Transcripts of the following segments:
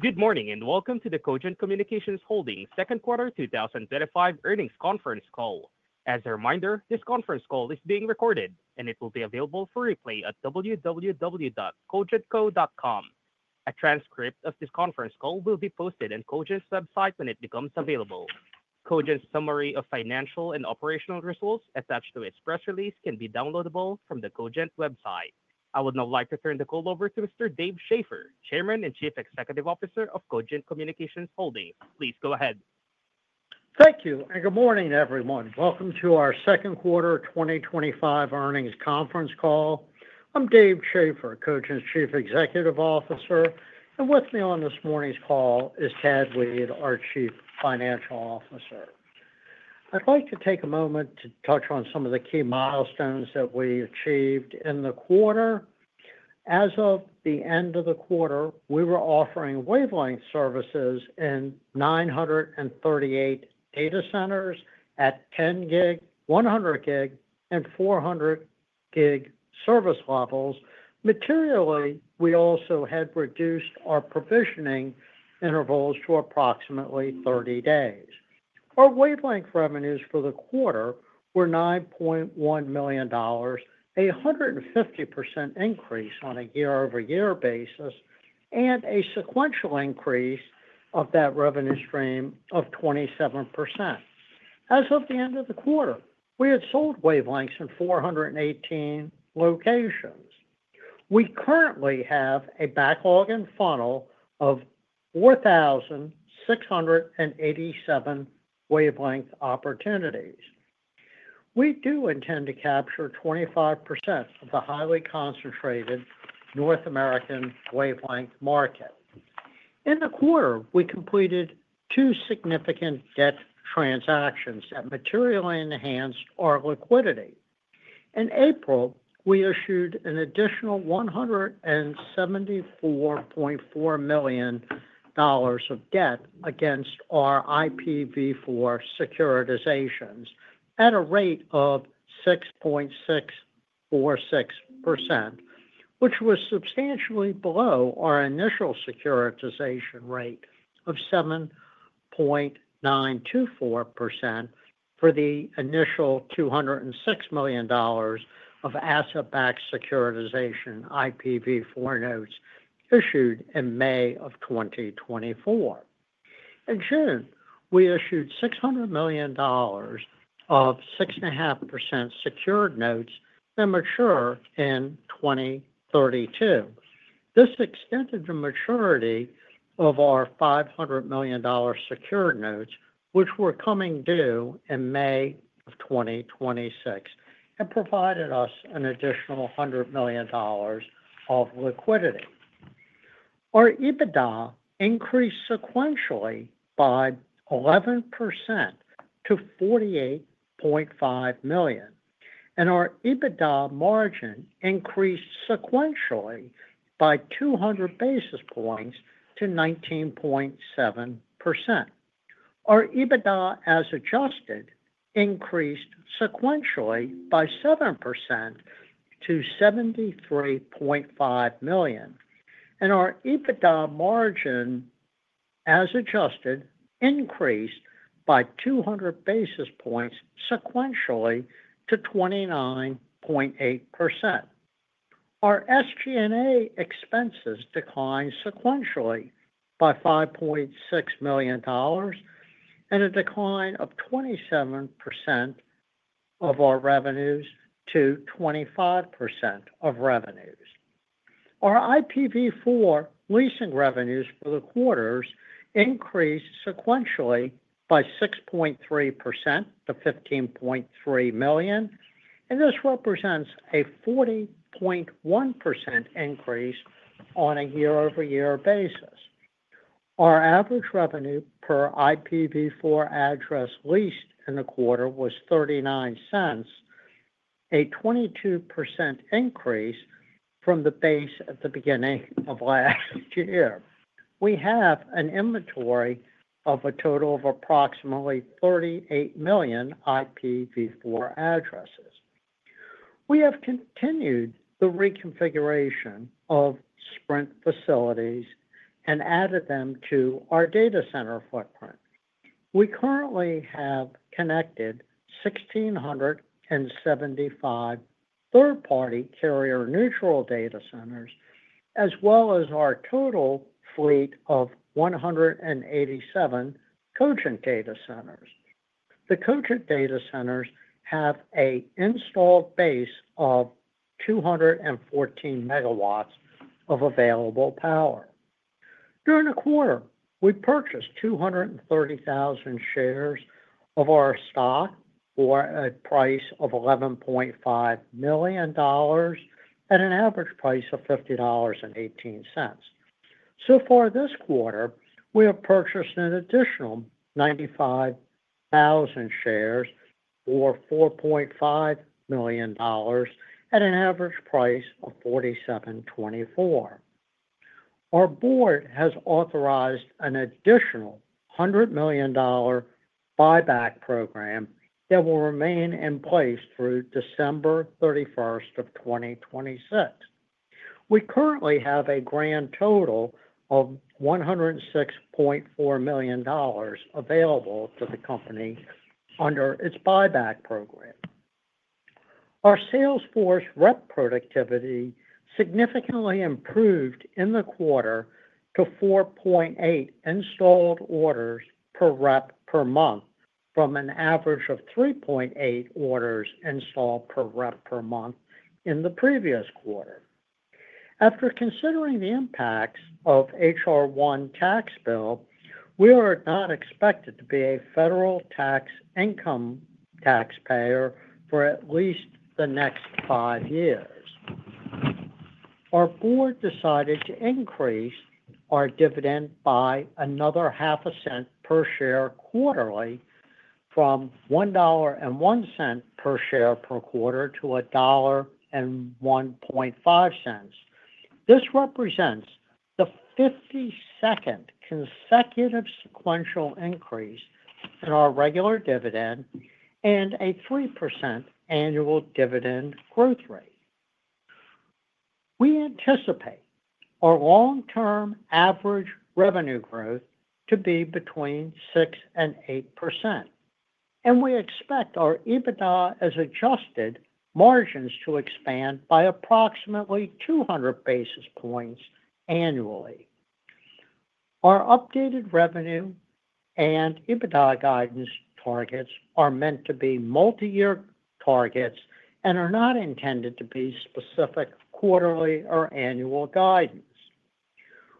Good morning and welcome to the Cogent Communications Holdings Second Quarter 2025 Earnings Conference Call. As a reminder, this conference call is being recorded and it will be available for replay at www.cogentco.com. A transcript of this conference call will be posted on Cogent's website when it becomes available. Cogent's summary of financial and operational results attached to its press release can be downloaded from the Cogent website. I would now like to turn the call over to Mr. Dave Schaeffer, Chairman and Chief Executive Officer of Cogent Communications Holdings. Please go ahead. Thank you and good morning, everyone. Welcome to our second quarter 2025 earnings conference call. I'm Dave Schaeffer, Cogent's Chief Executive Officer, and with me on this morning's call is Tad Weed, our Chief Financial Officer. I'd like to take a moment to touch on some of the key milestones that we achieved in the quarter. As of the end of the quarter, we were offering wavelength services in 938 data centers at 10 gig, 100 gig, and 400 gig service levels. Materially, we also had reduced our provisioning intervals to approximately 30 days. Our wavelength revenues for the quarter were $9.1 million, a 150% increase on a year-over-year basis, and a sequential increase of that revenue stream of 27%. As of the end of the quarter, we had sold wavelengths in 418 locations. We currently have a backlog and funnel of 4,687 wavelength opportunities. We do intend to capture 25% of the highly concentrated North American wavelength market. In the quarter, we completed two significant debt transactions that materially enhanced our liquidity. In April, we issued an additional $174.4 million of debt against our IPv4 securitizations at a rate of 6.646%, which was substantially below our initial securitization rate of 7.924% for the initial $206 million of asset-backed securitization IPv4 notes issued in May of 2024. In June, we issued $600 million of 6.5% secured notes that mature in 2032. This extended the maturity of our $500 million secured notes, which were coming due in May of 2026, and provided us an additional $100 million of liquidity. Our EBITDA increased sequentially by 11% to $48.5 million, and our EBITDA margin increased sequentially by 200 basis points to 19.7%. Our EBITDA, as adjusted, increased sequentially by 7% to $73.5 million, and our EBITDA margin, as adjusted, increased by 200 basis points sequentially to 29.8%. Our SG&A expenses declined sequentially by $5.6 million and a decline of 27% of our revenues to 25% of revenues. Our IPv4 leasing revenues for the quarter increased sequentially by 6.3% to $15.3 million, and this represents a 40.1% increase on a year-over-year basis. Our average revenue per IPv4 address leased in the quarter was $0.39, a 22% increase from the base at the beginning of last year. We have an inventory of a total of approximately 38 million IPv4 addresses. We have continued the reconfiguration of Sprint facilities and added them to our data center footprint. We currently have connected 1,675 third-party carrier-neutral data centers, as well as our total fleet of 187 Cogent data centers. The Cogent data centers have an installed base of 214 MW of available power. During the quarter, we purchased 230,000 shares of our stock for $11.5 million at an average price of $50.18. So far this quarter, we have purchased an additional 95,000 shares for $4.5 million at an average price of $47.24. Our board has authorized an additional $100 million buyback program that will remain in place through December 31st, 2026. We currently have a grand total of $106.4 million available to the company under its buyback program. Our salesforce rep productivity significantly improved in the quarter to 4.8 installed orders per rep per month, from an average of 3.8 orders installed per rep per month in the previous quarter. After considering the impacts of the H.R.1 tax bill, we are not expected to be a federal income tax taxpayer for at least the next five years. Our board decided to increase our dividend by another $0.005 per share quarterly, from $1.01 per share per quarter to $1.015. This represents the 52nd consecutive sequential increase in our regular dividend and a 3% annual dividend growth rate. We anticipate our long-term average revenue growth to be between 6% and 8%, and we expect our adjusted EBITDA margins to expand by approximately 200 basis points annually. Our updated revenue and EBITDA guidance targets are meant to be multi-year targets and are not intended to be specific quarterly or annual guidance.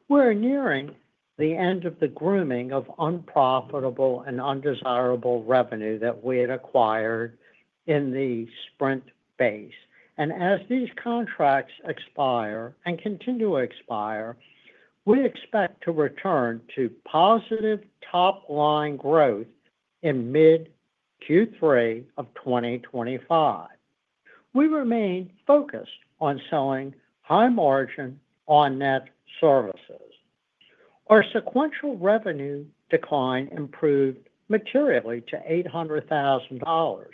We're nearing the end of the grooming of unprofitable and undesirable revenue that we had acquired in the Sprint base, and as these contracts expire and continue to expire, we expect to return to positive top-line growth in mid-Q3 of 2025. We remain focused on selling high margin on-net services. Our sequential revenue decline improved materially to $800,000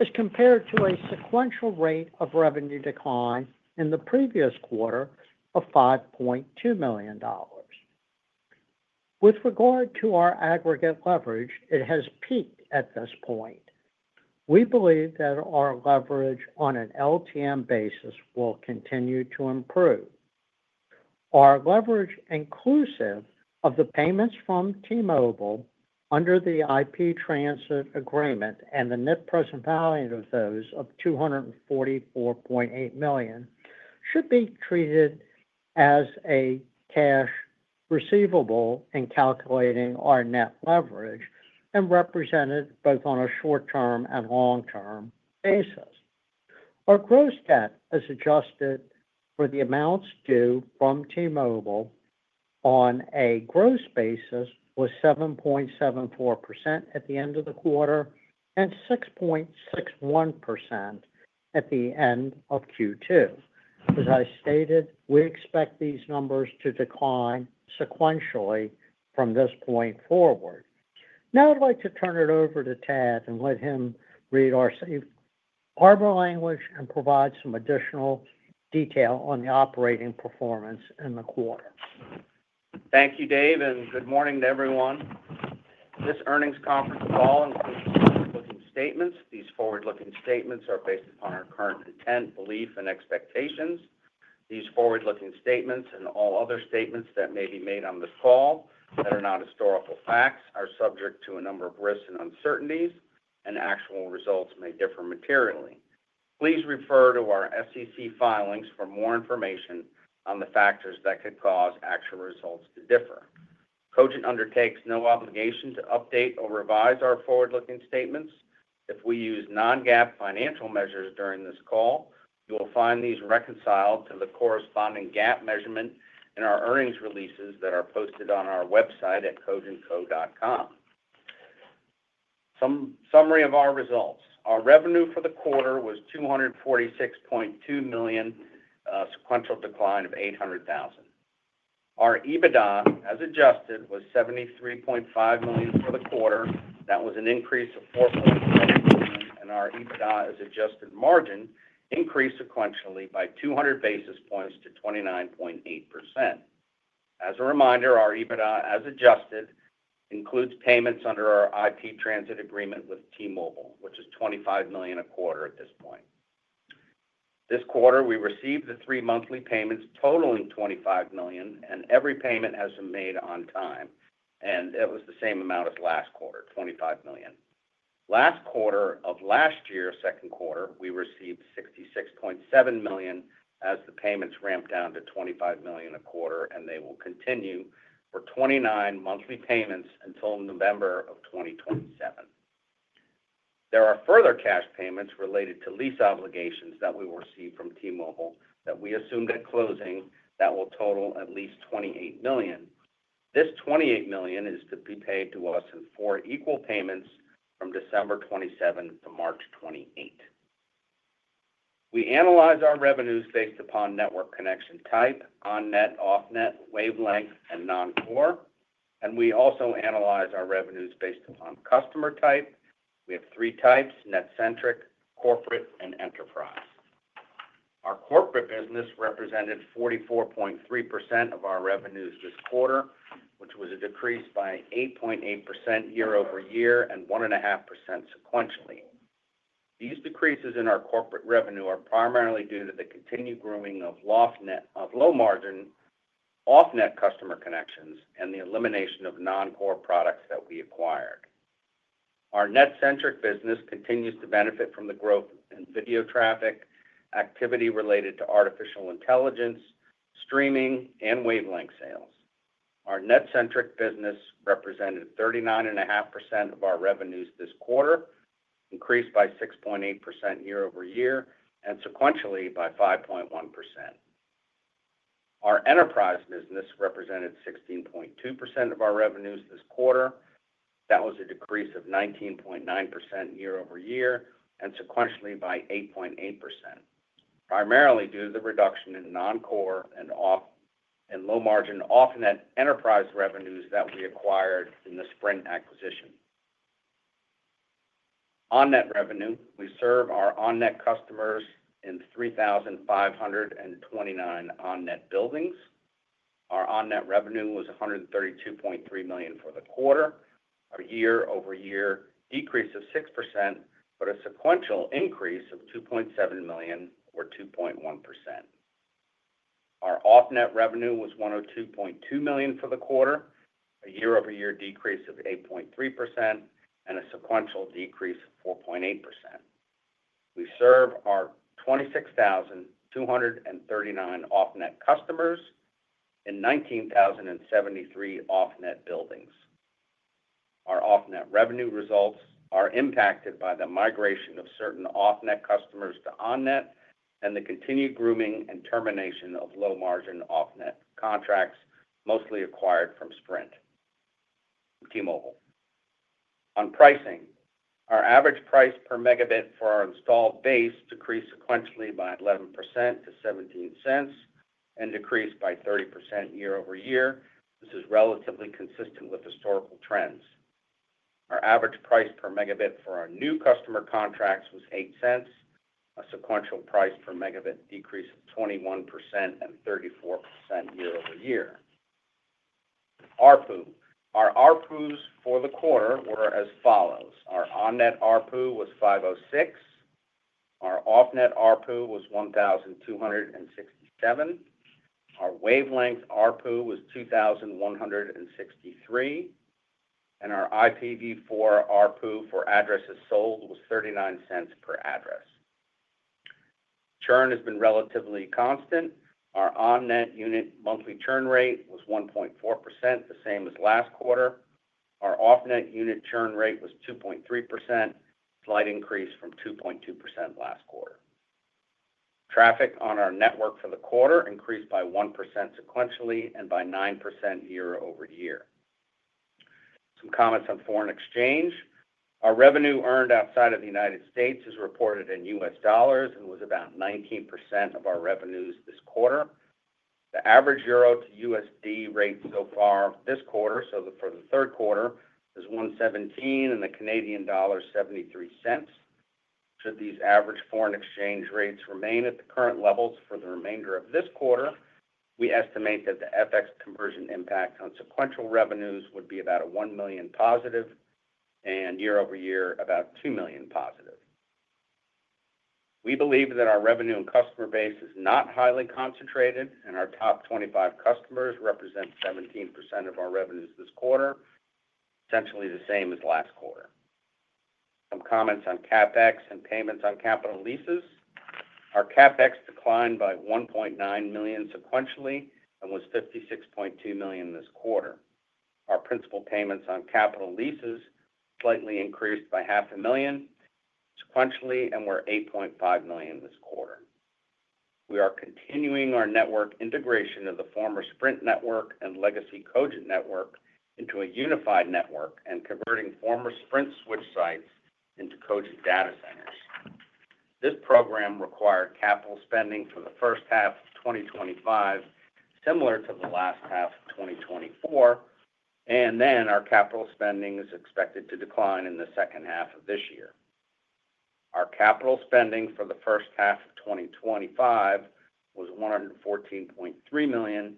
as compared to a sequential rate of revenue decline in the previous quarter of $5.2 million. With regard to our aggregate leverage, it has peaked at this point. We believe that our leverage on an LTM basis will continue to improve. Our leverage, inclusive of the payments from T-Mobile under the IP transit agreement and the net present value of those of $244.8 million, should be treated as a cash receivable in calculating our net leverage and represented both on a short-term and long-term basis. Our gross debt as adjusted for the amounts due from T-Mobile on a gross basis was 7.74% at the end of the quarter and 6.61% at the end of Q2. As I stated, we expect these numbers to decline sequentially from this point forward. Now I'd like to turn it over to Tad and let him read our cyber language and provide some additional detail on the operating performance in the quarter. Thank you, Dave, and good morning to everyone. This earnings conference call includes forward-looking statements. These forward-looking statements are based upon our current intent, belief, and expectations. These forward-looking statements and all other statements that may be made on this call that are not historical facts are subject to a number of risks and uncertainties, and actual results may differ materially. Please refer to our SEC filings for more information on the factors that could cause actual results to differ. Cogent undertakes no obligation to update or revise our forward-looking statements. If we use non-GAAP financial measures during this call, you will find these reconciled to the corresponding GAAP measurement in our earnings releases that are posted on our website at cogentco.com. Some summary of our results. Our revenue for the quarter was $246.2 million, a sequential decline of $800,000. Our EBITDA as adjusted was $73.5 million for the quarter. That was an increase of $4.0 million, and our EBITDA as adjusted margin increased sequentially by 200 basis points to 29.8%. As a reminder, our EBITDA as adjusted includes payments under our IP transit agreement with T-Mobile, which is $25 million a quarter at this point. This quarter, we received the three monthly payments totaling $25 million, and every payment has been made on time, and it was the same amount as last quarter, $25 million. Last quarter of last year, second quarter, we received $66.7 million as the payments ramped down to $25 million a quarter, and they will continue for 29 monthly payments until November of 2027. There are further cash payments related to lease obligations that we will receive from T-Mobile that we assume at closing that will total at least $28 million. This $28 million is to be paid to us in four equal payments from December 2027 to March 2028. We analyze our revenues based upon network connection type, on-net, off-net, wavelength, and non-core, and we also analyze our revenues based upon customer type. We have three types: net-centric, corporate, and enterprise. Our corporate business represented 44.3% of our revenues this quarter, which was a decrease by 8.8% year-over-year and 1.5% sequentially. These decreases in our corporate revenue are primarily due to the continued grooming of low margin, off-net customer connections, and the elimination of non-core products that we acquired. Our net-centric business continues to benefit from the growth in video traffic, activity related to artificial intelligence, streaming, and wavelength sales. Our net-centric business represented 39.5% of our revenues this quarter, increased by 6.8% year-over-year and sequentially by 5.1%. Our enterprise business represented 16.2% of our revenues this quarter. That was a decrease of 19.9% year-over-year and sequentially by 8.8%, primarily due to the reduction in non-core and low margin off-net enterprise revenues that we acquired in the Sprint acquisition. On-net revenue, we serve our on-net customers in 3,529 on-net buildings. Our on-net revenue was $132.3 million for the quarter, a year-over-year decrease of 6%, but a sequential increase of $2.7 million or 2.1%. Our off-net revenue was $102.2 million for the quarter, a year-over-year decrease of 8.3%, and a sequential decrease of 4.8%. We serve our 26,239 off-net customers in 19,073 off-net buildings. Our off-net revenue results are impacted by the migration of certain off-net customers to on-net and the continued grooming and termination of low margin off-net contracts, mostly acquired from Sprint T-Mobile. On pricing, our average price per megabit for our installed base decreased sequentially by 11% to $0.17 and decreased by 30% year-over-year. This is relatively consistent with historical trends. Our average price per megabit for our new customer contracts was $0.08, a sequential price per megabit decrease of 21% and 34% year-over-year. ARPU. Our ARPUs for the quarter were as follows: our on-net ARPU was $506, our off-net ARPU was $1,267, our wavelength ARPU was $2,163, and our IPv4 ARPU for addresses sold was $0.39 per address. Churn has been relatively constant. Our on-net unit monthly churn rate was 1.4%, the same as last quarter. Our off-net unit churn rate was 2.3%, a slight increase from 2.2% last quarter. Traffic on our network for the quarter increased by 1% sequentially and by 9% year-over-year. Some comments on foreign exchange. Our revenue earned outside of the U.S. is reported in U.S. dollars and was about 19% of our revenues this quarter. The average euro to USD rate so far this quarter, so for the third quarter, is $1.17 and the Canadian dollar is $0.73. Should these average foreign exchange rates remain at the current levels for the remainder of this quarter, we estimate that the FX conversion impact on sequential revenues would be about a $1 million positive and year-over-year about $2 million positive. We believe that our revenue and customer base is not highly concentrated, and our top 25 customers represent 17% of our revenues this quarter, essentially the same as last quarter. Some comments on CapEx and payments on capital leases. Our CapEx declined by $1.9 million sequentially and was $56.2 million this quarter. Our principal payments on capital leases slightly increased by $0.5 million sequentially and were $8.5 million this quarter. We are continuing our network integration of the former Sprint network and legacy Cogent network into a unified network and converting former Sprint switch sites into Cogent data centers. This program required capital spending for the first half of 2025, similar to the last half of 2024, and then our capital spending is expected to decline in the second half of this year. Our capital spending for the first half of 2025 was $114.3 million,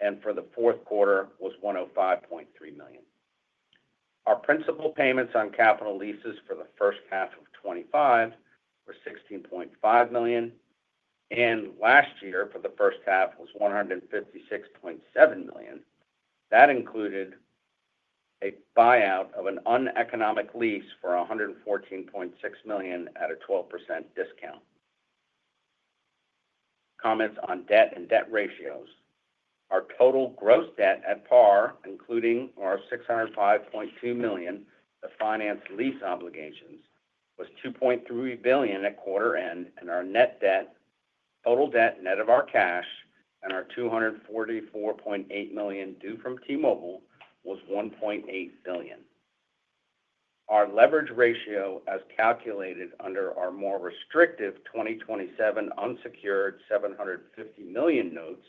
and for the fourth quarter was $105.3 million. Our principal payments on capital leases for the first half of 2025 were $16.5 million, and last year for the first half was $156.7 million. That included a buyout of an uneconomic lease for $114.6 million at a 12% discount. Comments on debt and debt ratios. Our total gross debt at par, including our $605.2 million to finance lease obligations, was $2.3 billion at quarter end, and our net debt, total debt net of our cash, and our $244.8 million due from T-Mobile was $1.8 billion. Our leverage ratio, as calculated under our more restrictive 2027 unsecured $750 million notes,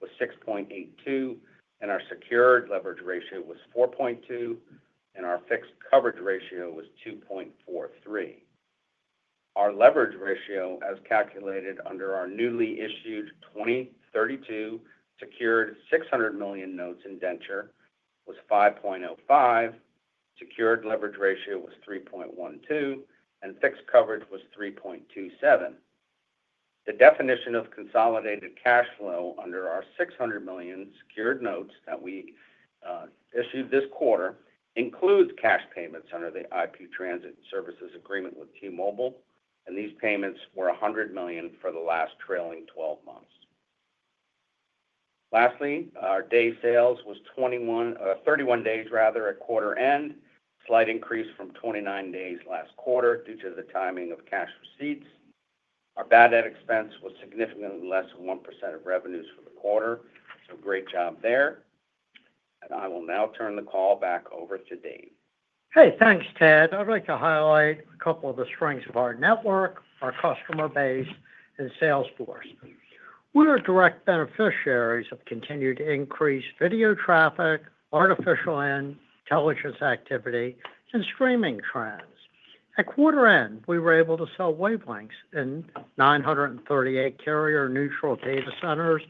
was 6.82, and our secured leverage ratio was 4.2, and our fixed coverage ratio was 2.43. Our leverage ratio, as calculated under our newly issued 2032 secured $600 million notes indenture, was 5.05. Secured leverage ratio was 3.12, and fixed coverage was 3.27. The definition of consolidated cash flow under our $600 million secured notes that we issued this quarter includes cash payments under the IP transit services agreement with T-Mobile, and these payments were $100 million for the last trailing 12 months. Lastly, our day sales was 31 days at quarter end, slight increase from 29 days last quarter due to the timing of cash receipts. Our bad net expense was significantly less than 1% of revenues for the quarter, great job there. I will now turn the call back over to Dave. Hey, thanks, Tad. I'd like to highlight a couple of the strengths of our network, our customer base, and salesforce. We are direct beneficiaries of continued increased video traffic, artificial intelligence activity, and streaming trends. At quarter end, we were able to sell wavelengths in 938 carrier-neutral data centers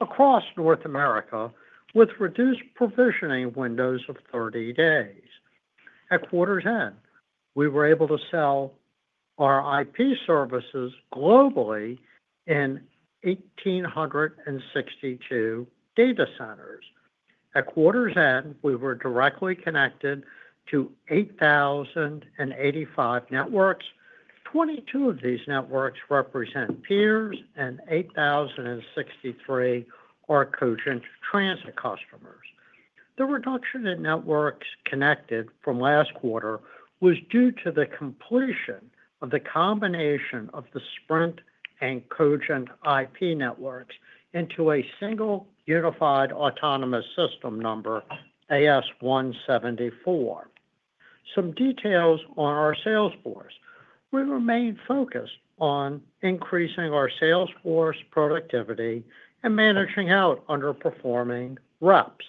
across North America with reduced provisioning windows of 30 days. At quarter's end, we were able to sell our IP services globally in 1,862 data centers. At quarter's end, we were directly connected to 8,085 networks. 22 of these networks represent peers and 8,063 are Cogent transit customers. The reduction in networks connected from last quarter was due to the completion of the combination of the Sprint and Cogent IP networks into a single unified autonomous system number, AS174. Some details on our Salesforce. We remain focused on increasing our Salesforce productivity and managing out underperforming reps.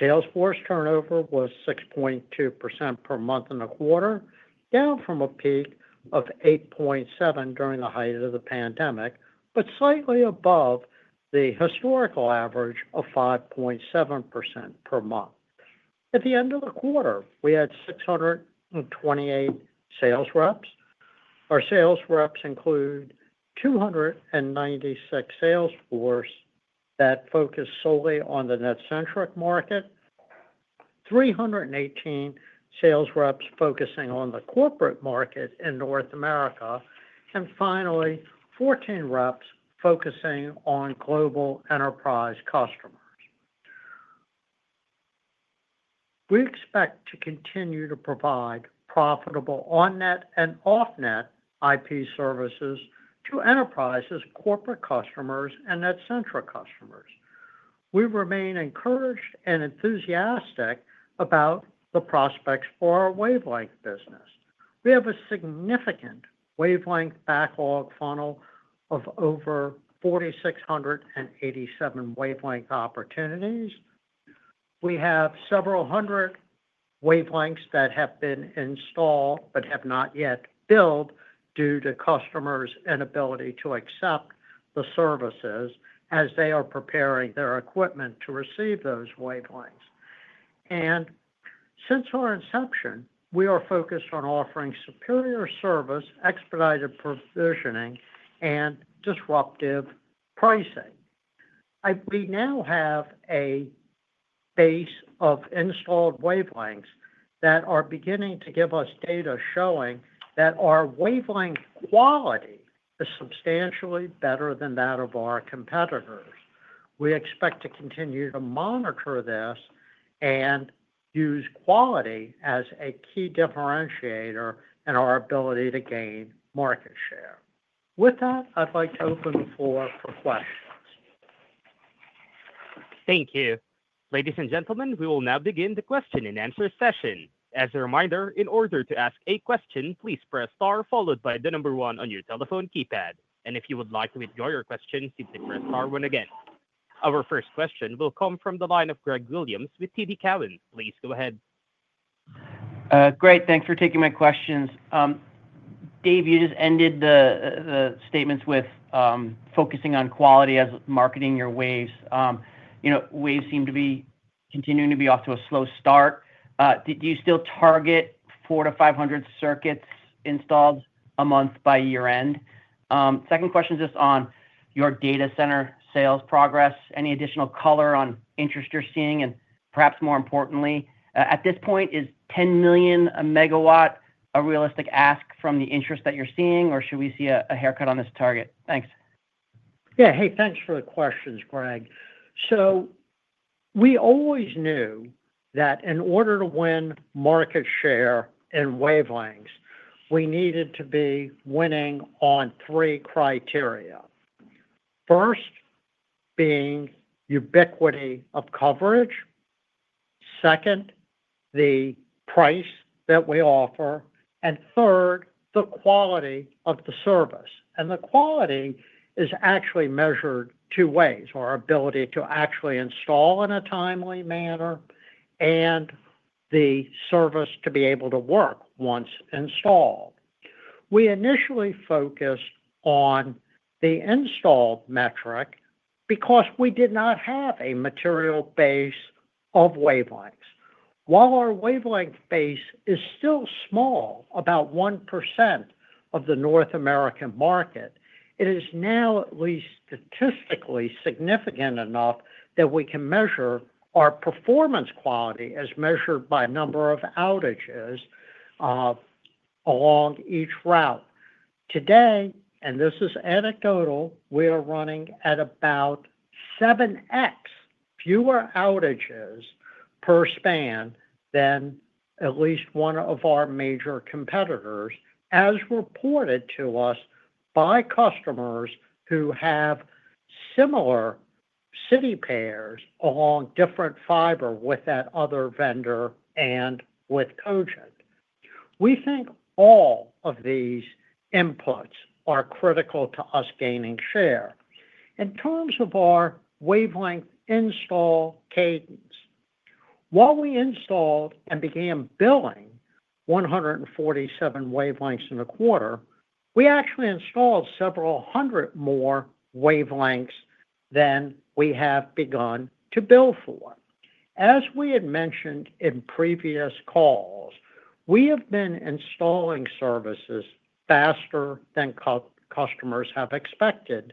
Salesforce turnover was 6.2% per month in the quarter, down from a peak of 8.7% during the height of the pandemic, but slightly above the historical average of 5.7% per month. At the end of the quarter, we had 628 sales reps. Our sales reps include 296 salesforce that focus solely on the net-centric market, 318 sales reps focusing on the corporate market in North America, and finally, 14 reps focusing on global enterprise customers. We expect to continue to provide profitable on-net and off-net IP services to enterprises, corporate customers, and net-centric customers. We remain encouraged and enthusiastic about the prospects for our wavelength business. We have a significant wavelength backlog funnel of over 4,687 wavelength opportunities. We have several hundred wavelengths that have been installed but have not yet filled due to customers' inability to accept the services as they are preparing their equipment to receive those wavelengths. Since our inception, we are focused on offering superior service, expedited provisioning, and disruptive pricing. We now have a base of installed wavelengths that are beginning to give us data showing that our wavelength quality is substantially better than that of our competitors. We expect to continue to monitor this and use quality as a key differentiator in our ability to gain market share. With that, I'd like to open the floor for questions. Thank you. Ladies and gentlemen, we will now begin the question-and-answer session. As a reminder, in order to ask a question, please press Star followed by the number one on your telephone keypad. If you would like to withdraw your question, simply press Star, one again. Our first question will come from the line of Greg Williams with TD Cowen. Please go ahead. Greg, thanks for taking my questions. Dave, you just ended the statements with focusing on quality as marketing your waves. Waves seem to be continuing to be off to a slow start. Do you still target 400-500 circuits installed a month by year end? Second question is just on your data center sales progress. Any additional color on interest you're seeing and perhaps more importantly, at this point, is $10 million a megawatt a realistic ask from the interest that you're seeing or should we see a haircut on this target? Thanks. Yeah, hey, thanks for the questions, Greg. We always knew that in order to win market share in wavelength services, we needed to be winning on three criteria. First being ubiquity of coverage, second, the price that we offer, and third, the quality of the service. The quality is actually measured two ways: our ability to actually install in a timely manner and the service to be able to work once installed. We initially focused on the installed metric because we did not have a material base of wavelength services. While our wavelength base is still small, about 1% of the North American market, it is now at least statistically significant enough that we can measure our performance quality as measured by a number of outages along each route. Today, and this is anecdotal, we are running at about 7x fewer outages per span than at least one of our major competitors, as reported to us by customers who have similar city pairs along different fiber with that other vendor and with Cogent. We think all of these inputs are critical to us gaining share. In terms of our wavelength install cadence, while we installed and began billing 147 wavelengths in a quarter, we actually installed several hundred more wavelengths than we have begun to bill for. As we had mentioned in previous calls, we have been installing services faster than customers have expected.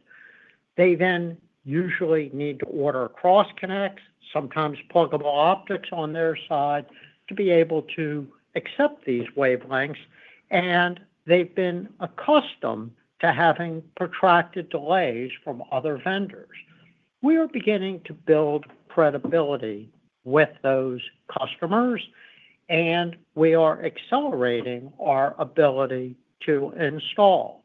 They then usually need to order cross-connects, sometimes pluggable optics on their side to be able to accept these wavelengths, and they've been accustomed to having protracted delays from other vendors. We are beginning to build credibility with those customers, and we are accelerating our ability to install.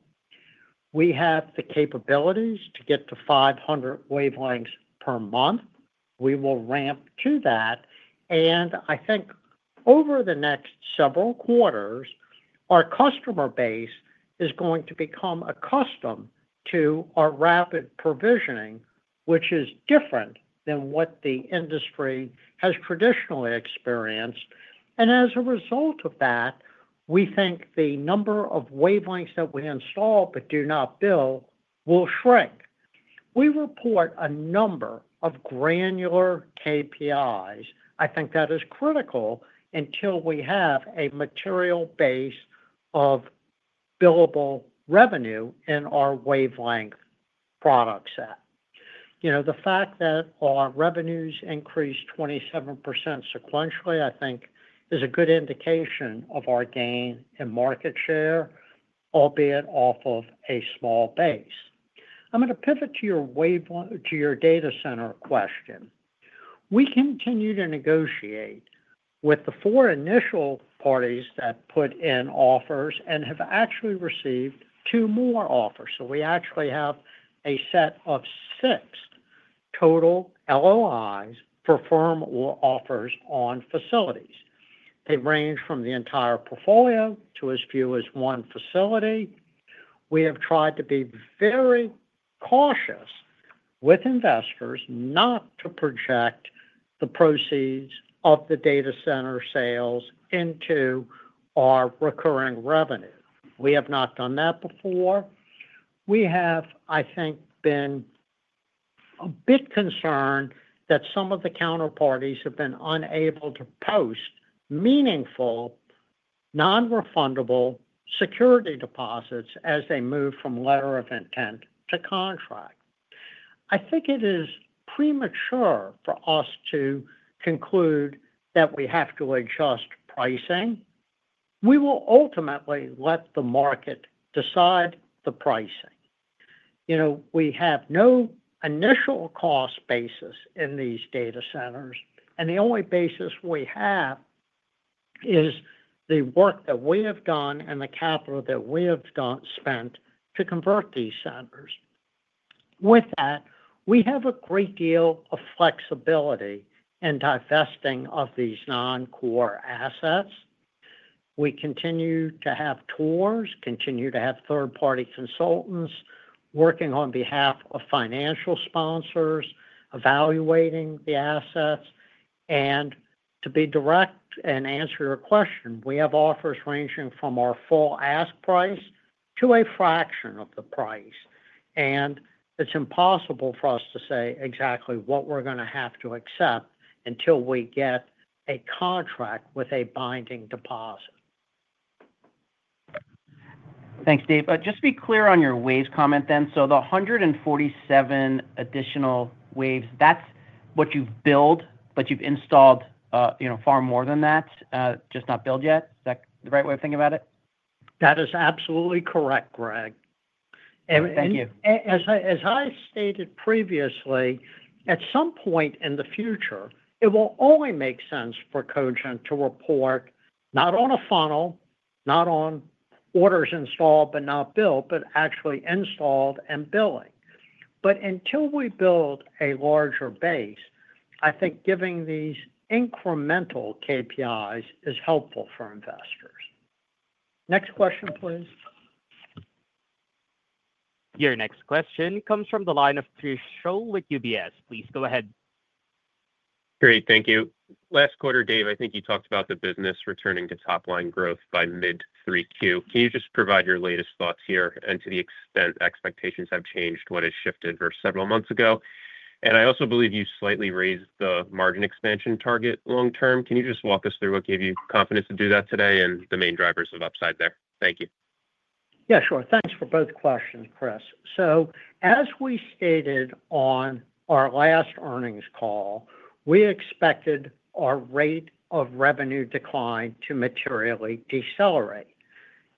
We have the capabilities to get to 500 wavelengths per month. We will ramp to that, and I think over the next several quarters, our customer base is going to become accustomed to our rapid provisioning, which is different than what the industry has traditionally experienced. As a result of that, we think the number of wavelengths that we install but do not bill will shrink. We report a number of granular KPIs. I think that is critical until we have a material base of billable revenue in our wavelength product set. The fact that our revenues increased 27% sequentially, I think, is a good indication of our gain in market share, albeit off of a small base. I'm going to pivot to your data center question. We continue to negotiate with the four initial parties that put in offers and have actually received two more offers. We actually have a set of six total LOIs for firm offers on facilities. They range from the entire portfolio to as few as one facility. We have tried to be very cautious with investors not to project the proceeds of the data center asset sales into our recurring revenue. We have not done that before. We have, I think, been a bit concerned that some of the counterparties have been unable to post meaningful, non-refundable security deposits as they move from letter of intent to contract. I think it is premature for us to conclude that we have to adjust pricing. We will ultimately let the market decide the pricing. We have no initial cost basis in these data centers, and the only basis we have is the work that we have done and the capital that we have spent to convert these centers. With that, we have a great deal of flexibility in divesting of these non-core assets. We continue to have tours, continue to have third-party consultants working on behalf of financial sponsors, evaluating the assets, and to be direct and answer your question, we have offers ranging from our full ask price to a fraction of the price. It is impossible for us to say exactly what we're going to have to accept until we get a contract with a binding deposit. Thanks, Dave. Just to be clear on your waves comment, the 147 additional waves, that's what you've billed, but you've installed far more than that, just not billed yet. Is that the right way of thinking about it? That is absolutely correct, Greg. Thank you. As I stated previously, at some point in the future, it will only make sense for Cogent to report not on a funnel, not on orders installed but not billed, but actually installed and billing. Until we build a larger base, I think giving these incremental KPIs is helpful for investors. Next question, please. Your next question comes from the line of Chris Schoell with UBS. Please go ahead. Great, thank you. Last quarter, Dave, I think you talked about the business returning to top-line growth by mid-Q3. Can you just provide your latest thoughts here, and to the extent expectations have changed, what has shifted versus several months ago? I also believe you slightly raised the margin expansion target long term. Can you just walk us through what gave you confidence to do that today and the main drivers of upside there? Thank you. Yeah, sure. Thanks for both questions, Chris. As we stated on our last earnings call, we expected our rate of revenue decline to materially decelerate.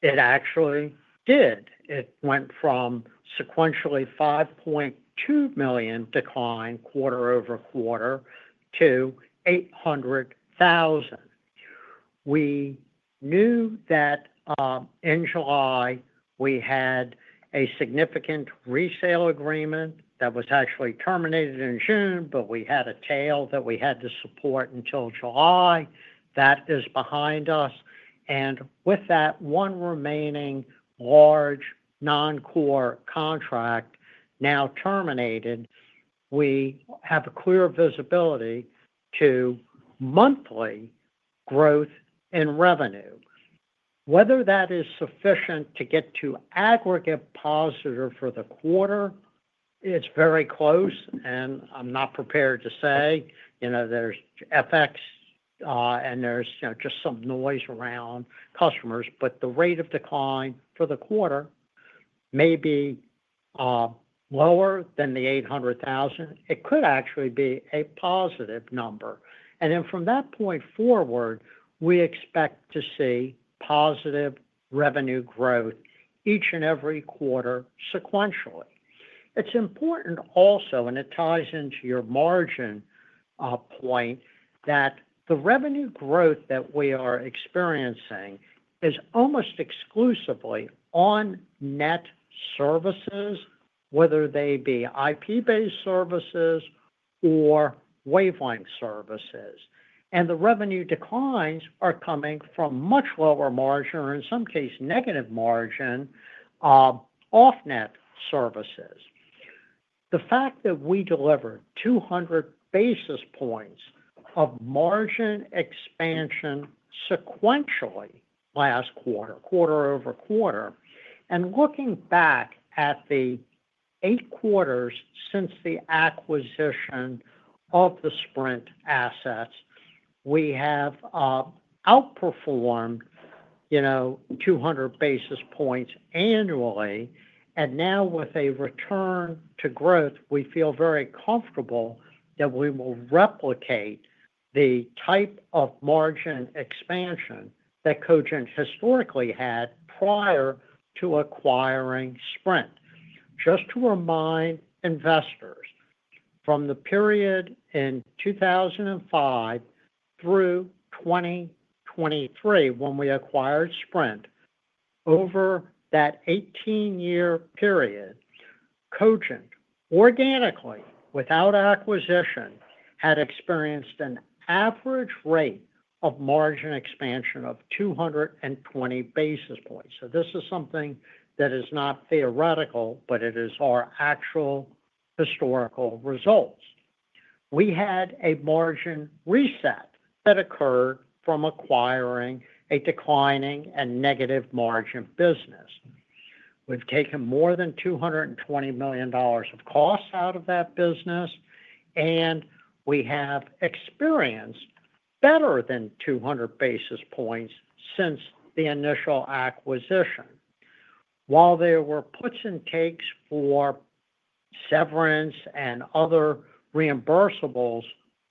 It actually did. It went from sequentially a $5.2 million decline quarter-over-quarter to $800,000. We knew that in July, we had a significant resale agreement that was actually terminated in June, but we had a tail that we had to support until July. That is behind us. With that one remaining large non-core contract now terminated, we have clear visibility to monthly growth in revenue. Whether that is sufficient to get to aggregate positive for the quarter, it's very close, and I'm not prepared to say. There's FX and just some noise around customers, but the rate of decline for the quarter may be lower than the $800,000. It could actually be a positive number. From that point forward, we expect to see positive revenue growth each and every quarter sequentially. It's important also, and it ties into your margin point, that the revenue growth that we are experiencing is almost exclusively on-net services, whether they be IP-based services or wavelength services. The revenue declines are coming from much lower margin or, in some cases, negative margin off-net services. The fact that we delivered 200 basis points of margin expansion sequentially last quarter, quarter over quarter, and looking back at the eight quarters since the acquisition of the Sprint assets, we have outperformed 200 basis points annually. Now, with a return to growth, we feel very comfortable that we will replicate the type of margin expansion that Cogent historically had prior to acquiring Sprint. Just to remind investors, from the period in 2005-2023, when we acquired Sprint, over that 18-year period, Cogent organically, without acquisition, had experienced an average rate of margin expansion of 220 basis points. This is something that is not theoretical, but it is our actual historical results. We had a margin reset that occurred from acquiring a declining and negative margin business. We've taken more than $220 million of costs out of that business, and we have experienced better than 200 basis points since the initial acquisition. While there were puts and takes for severance and other reimbursables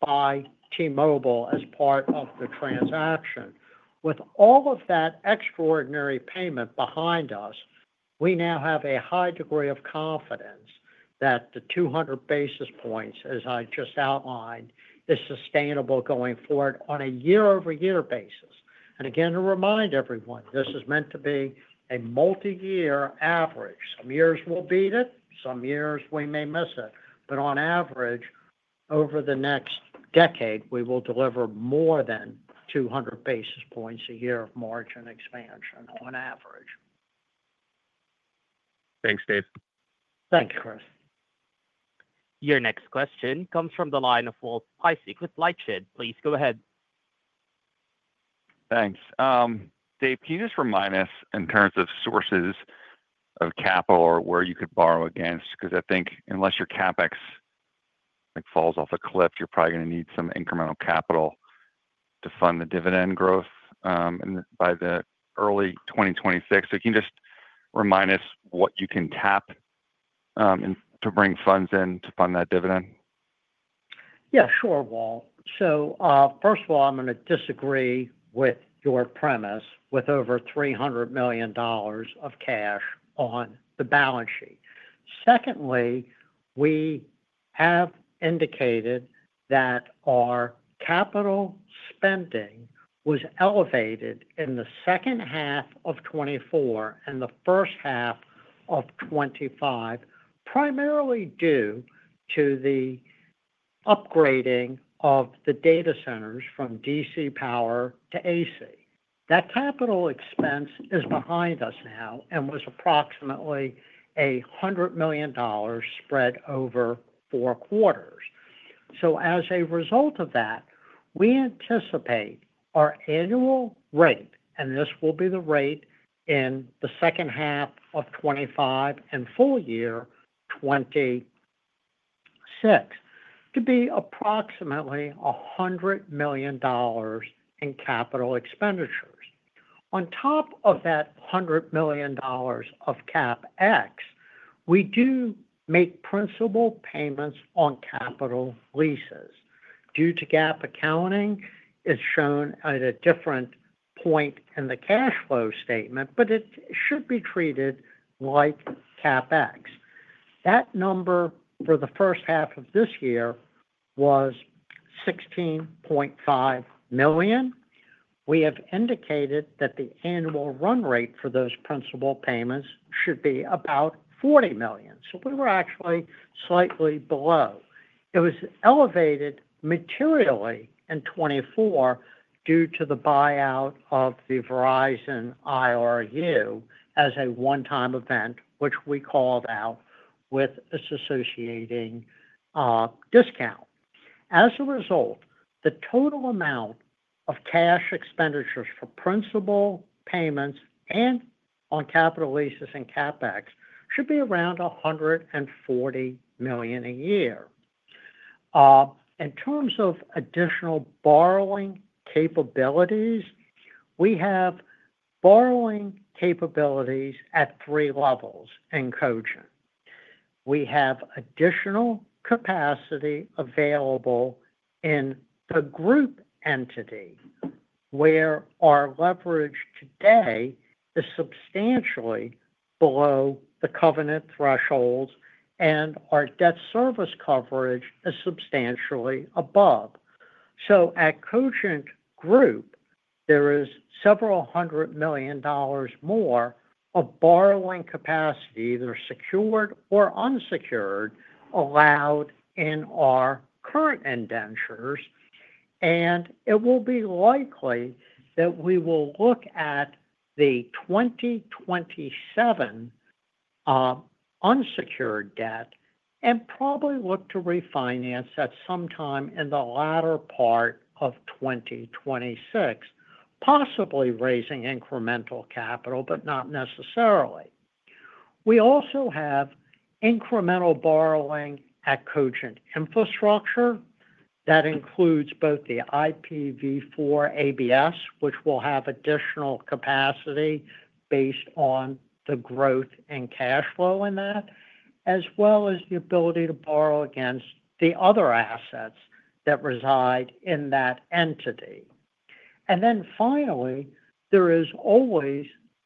by T-Mobile as part of the transaction, with all of that extraordinary payment behind us, we now have a high degree of confidence that the 200 basis points, as I just outlined, is sustainable going forward on a year-over-year basis. Again, to remind everyone, this is meant to be a multi-year average. Some years we'll beat it, some years we may miss it, but on average, over the next decade, we will deliver more than 200 basis points a year of margin expansion on average. Thanks, Dave. Thanks, Chris. Your next question comes from the line of Walt Piecyk with LightShed. Please go ahead. Thanks. Dave, can you just remind us in terms of sources of capital or where you could borrow against? I think unless your CapEx falls off a cliff, you're probably going to need some incremental capital to fund the dividend growth by early 2026. Can you just remind us what you can tap to bring funds in to fund that dividend? Yeah, sure, Walt. First of all, I'm going to disagree with your premise with over $300 million of cash on the balance sheet. We have indicated that our capital spending was elevated in the second half of 2024 and the first half of 2025, primarily due to the upgrading of the data centers from DC power to AC. That capital expense is behind us now and was approximately $100 million spread over four quarters. As a result of that, we anticipate our annual rate, and this will be the rate in the second half of 2025 and full year 2026, to be approximately $100 million in capital expenditures. On top of that $100 million of CapEx, we do make principal payments on capital leases. Due to GAAP accounting, it's shown at a different point in the cash flow statement, but it should be treated like CapEx. That number for the first half of this year was $16.5 million. We have indicated that the annual run rate for those principal payments should be about $40 million. We were actually slightly below. It was elevated materially in 2024 due to the buyout of the Verizon IRU as a one-time event, which we called out with its associated discount. As a result, the total amount of cash expenditures for principal payments on capital leases and CapEx should be around $140 million a year. In terms of additional borrowing capabilities, we have borrowing capabilities at three levels in Cogent. We have additional capacity available in the group entity where our leverage today is substantially below the covenant threshold and our debt service coverage is substantially above. At Cogent Group, there is several hundred million dollars more of borrowing capacity, either secured or unsecured, allowed in our current indentures. It will be likely that we will look at the 2027 unsecured debt and probably look to refinance at some time in the latter part of 2026, possibly raising incremental capital, but not necessarily. We also have incremental borrowing at Cogent Infrastructure that includes both the IPv4 ABS, which will have additional capacity based on the growth in cash flow in that, as well as the ability to borrow against the other assets that reside in that entity. Finally, there is always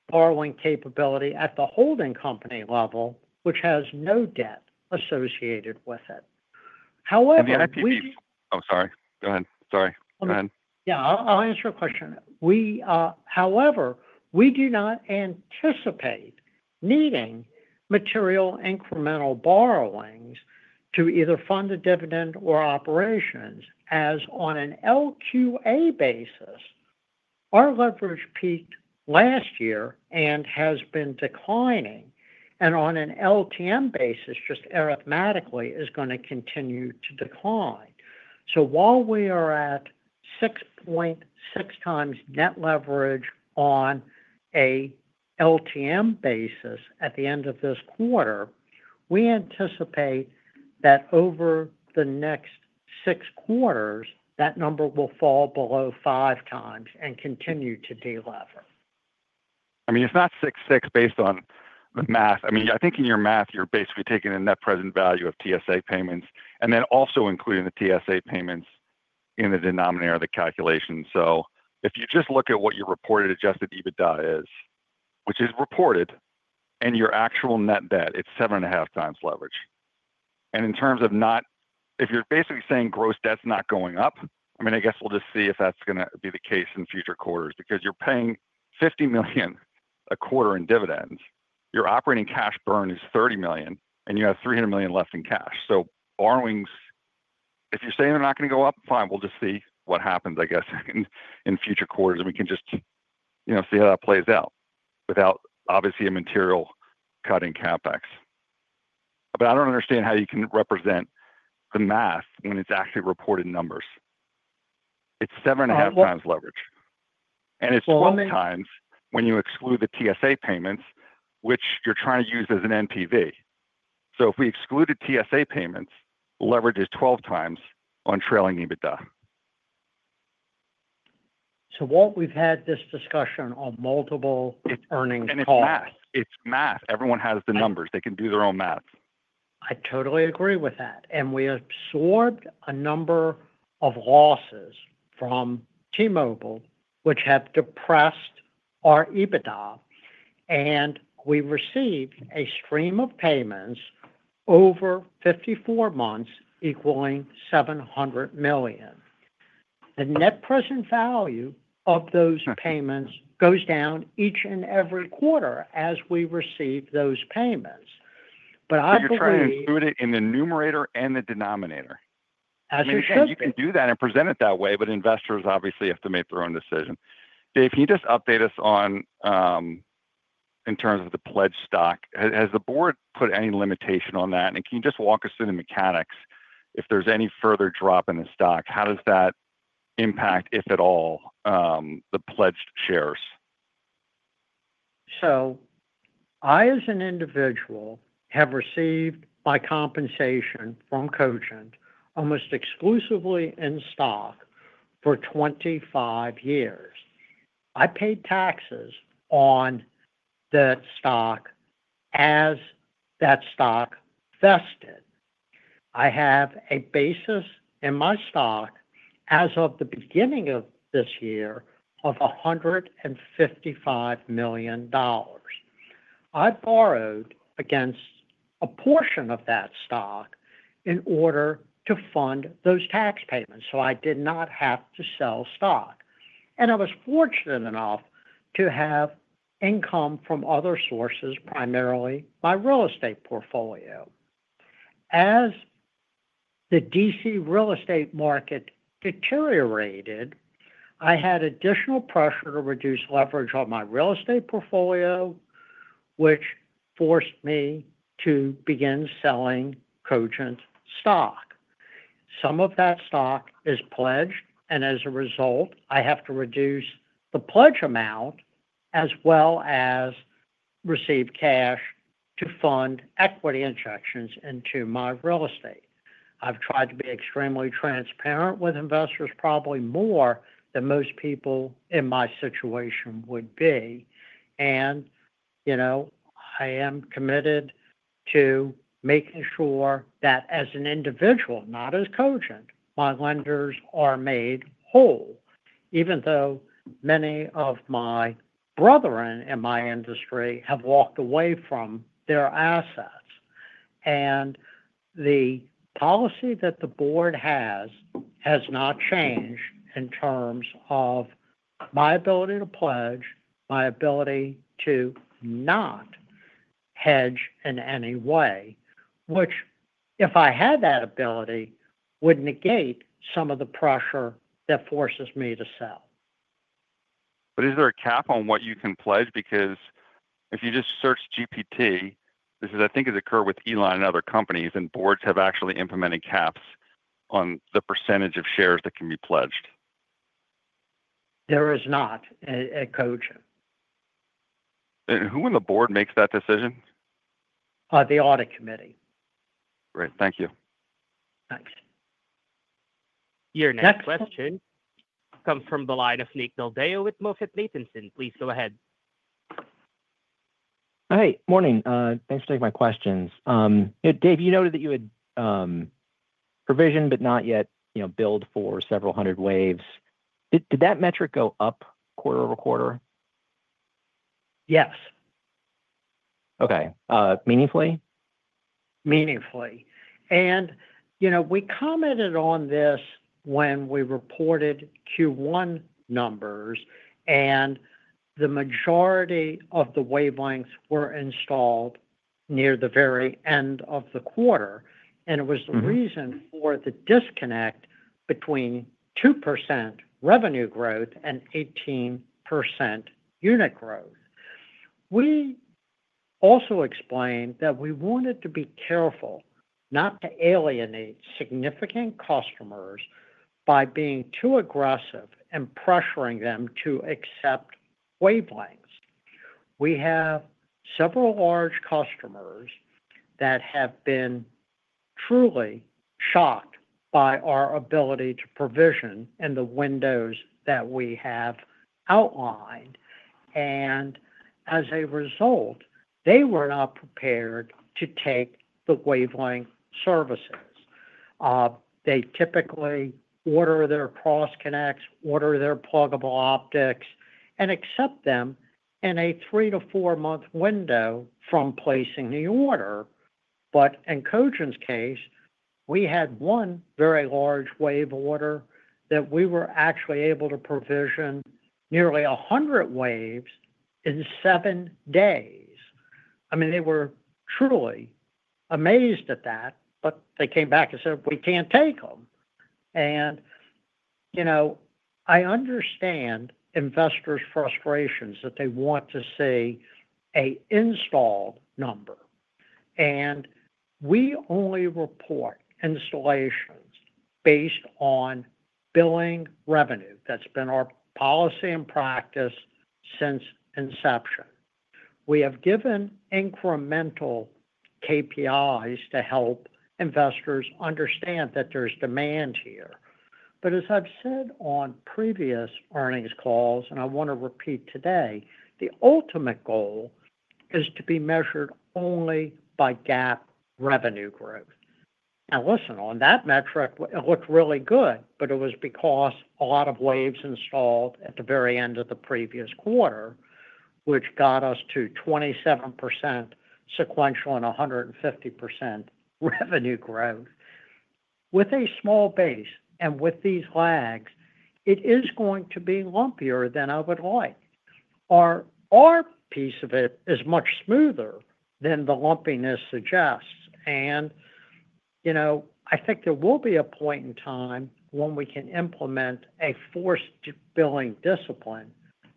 borrowing capability at the holding company level, which has no debt associated with it. The IPv4, oh, sorry. Go ahead. Sorry. Go ahead. I'll answer your question. However, we do not anticipate needing material incremental borrowings to either fund a dividend or operations, as on an LQA basis, our leverage peaked last year and has been declining. On an LTM basis, just arithmetically, it's going to continue to decline. While we are at 6.6x net leverage on an LTM basis at the end of this quarter, we anticipate that over the next six quarters, that number will fall below five times and continue to de-lever. I mean, it's not 6.6x based on the math. I think in your math, you're basically taking the net present value of TSA payments and then also including the TSA payments in the denominator of the calculation. If you just look at what your reported adjusted EBITDA is, which is reported, and your actual net debt, it's 7.5x leverage. In terms of not, if you're basically saying gross debt's not going up, I guess we'll just see if that's going to be the case in future quarters because you're paying $50 million a quarter in dividends, your operating cash burn is $30 million, and you have $300 million left in cash. If borrowings, if you're saying they're not going to go up, fine, we'll just see what happens, I guess, in future quarters, and we can just see how that plays out without obviously a material cut in CapEx. I don't understand how you can represent the math when it's actually reported numbers. It's 7.5x leverage. It's 12x when you exclude the TSA payments, which you're trying to use as an NPV. If we exclude the TSA payments, leverage is 12x on trailing EBITDA. Walt, we've had this discussion on multiple earnings calls. It is math. It is math. Everyone has the numbers. They can do their own math. I totally agree with that. We absorbed a number of losses from T-Mobile, which have depressed our EBITDA, and we received a stream of payments over 54 months equaling $700 million. The net present value of those payments goes down each and every quarter as we receive those payments. I believe you should include it in the numerator and the denominator. As you should. You can do that and present it that way, but investors obviously have to make their own decision. Dave, can you just update us on, in terms of the pledged stock, has the board put any limitation on that? Can you just walk us through the mechanics if there's any further drop in the stock? How does that impact, if at all, the pledged shares? I, as an individual, have received my compensation from Cogent almost exclusively in stock for 25 years. I paid taxes on that stock as that stock vested. I have a basis in my stock as of the beginning of this year of $155 million. I borrowed against a portion of that stock in order to fund those tax payments, so I did not have to sell stock. I was fortunate enough to have income from other sources, primarily my real estate portfolio. As the DC real estate market deteriorated, I had additional pressure to reduce leverage on my real estate portfolio, which forced me to begin selling Cogent stock. Some of that stock is pledged, and as a result, I have to reduce the pledge amount as well as receive cash to fund equity injections into my real estate. I have tried to be extremely transparent with investors, probably more than most people in my situation would be. I am committed to making sure that as an individual, not as Cogent, my lenders are made whole, even though many of my brethren in my industry have walked away from their assets. The policy that the board has has not changed in terms of my ability to pledge, my ability to not hedge in any way, which if I had that ability would negate some of the pressure that forces me to sell. Is there a cap on what you can pledge? If you just search GPT, this has occurred with Elon and other companies, and boards have actually implemented caps on the % of shares that can be pledged. There is not at Cogent. Who in the board makes that decision? The Audit Committee. Great. Thank you. Thanks. Your next question comes from the line of Nick Del Deo with MoffettNathanson. Please go ahead. Hey, morning. Thanks for taking my questions. Dave, you noted that you had provisioned but not yet billed for several hundred waves. Did that metric go up quarter-over-quarter? Yes. Okay. Meaningfully? Meaningfully. We commented on this when we reported Q1 numbers, and the majority of the wavelengths were installed near the very end of the quarter. It was the reason for the disconnect between 2% revenue growth and 18% unit growth. We also explained that we wanted to be careful not to alienate significant customers by being too aggressive and pressuring them to accept wavelength services. We have several large customers that have been truly shocked by our ability to provision in the windows that we have outlined. As a result, they were not prepared to take the wavelength services. They typically order their cross-connects, order their pluggable optics, and accept them in a three to four-month window from placing the order. In Cogent's case, we had one very large wave order that we were actually able to provision nearly 100 waves in seven days. They were truly amazed at that, but they came back and said, "We can't take them." I understand investors' frustrations that they want to see an install number. We only report installations based on billing revenue. That's been our policy and practice since inception. We have given incremental KPIs to help investors understand that there's demand here. As I've said on previous earnings calls, and I want to repeat today, the ultimate goal is to be measured only by GAAP revenue growth. On that metric, it looked really good, but it was because a lot of waves installed at the very end of the previous quarter, which got us to 27% sequential and 150% revenue growth with a small base. With these lags, it is going to be lumpier than I would like. Our piece of it is much smoother than the lumpiness suggests. I think there will be a point in time when we can implement a forced billing discipline,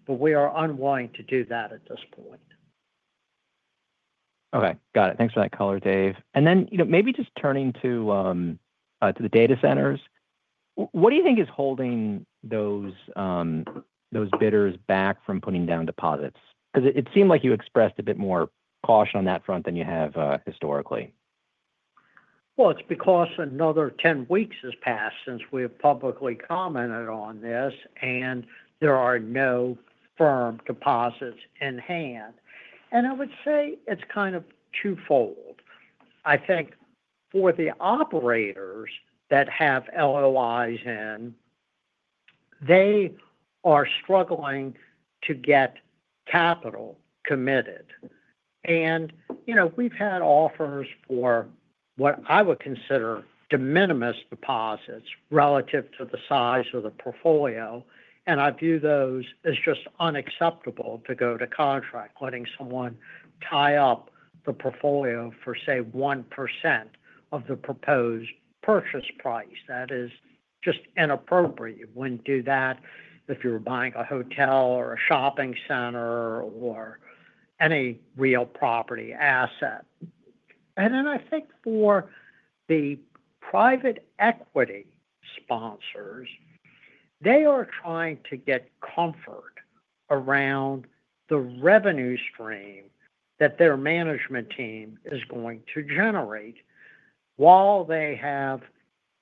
but we are unwilling to do that at this point. Okay. Got it. Thanks for that color, Dave. Maybe just turning to the data centers, what do you think is holding those bidders back from putting down deposits? It seemed like you expressed a bit more caution on that front than you have historically. It is because another 10 weeks has passed since we have publicly commented on this, and there are no firm deposits in hand. I would say it's kind of twofold. I think for the operators that have LOIs in, they are struggling to get capital committed. We have had offers for what I would consider de minimis deposits relative to the size of the portfolio. I view those as just unacceptable to go to contract, letting someone tie up the portfolio for, say, 1% of the proposed purchase price. That is just inappropriate. You wouldn't do that if you were buying a hotel or a shopping center or any real property asset. I think for the private equity sponsors, they are trying to get comfort around the revenue stream that their management team is going to generate while they have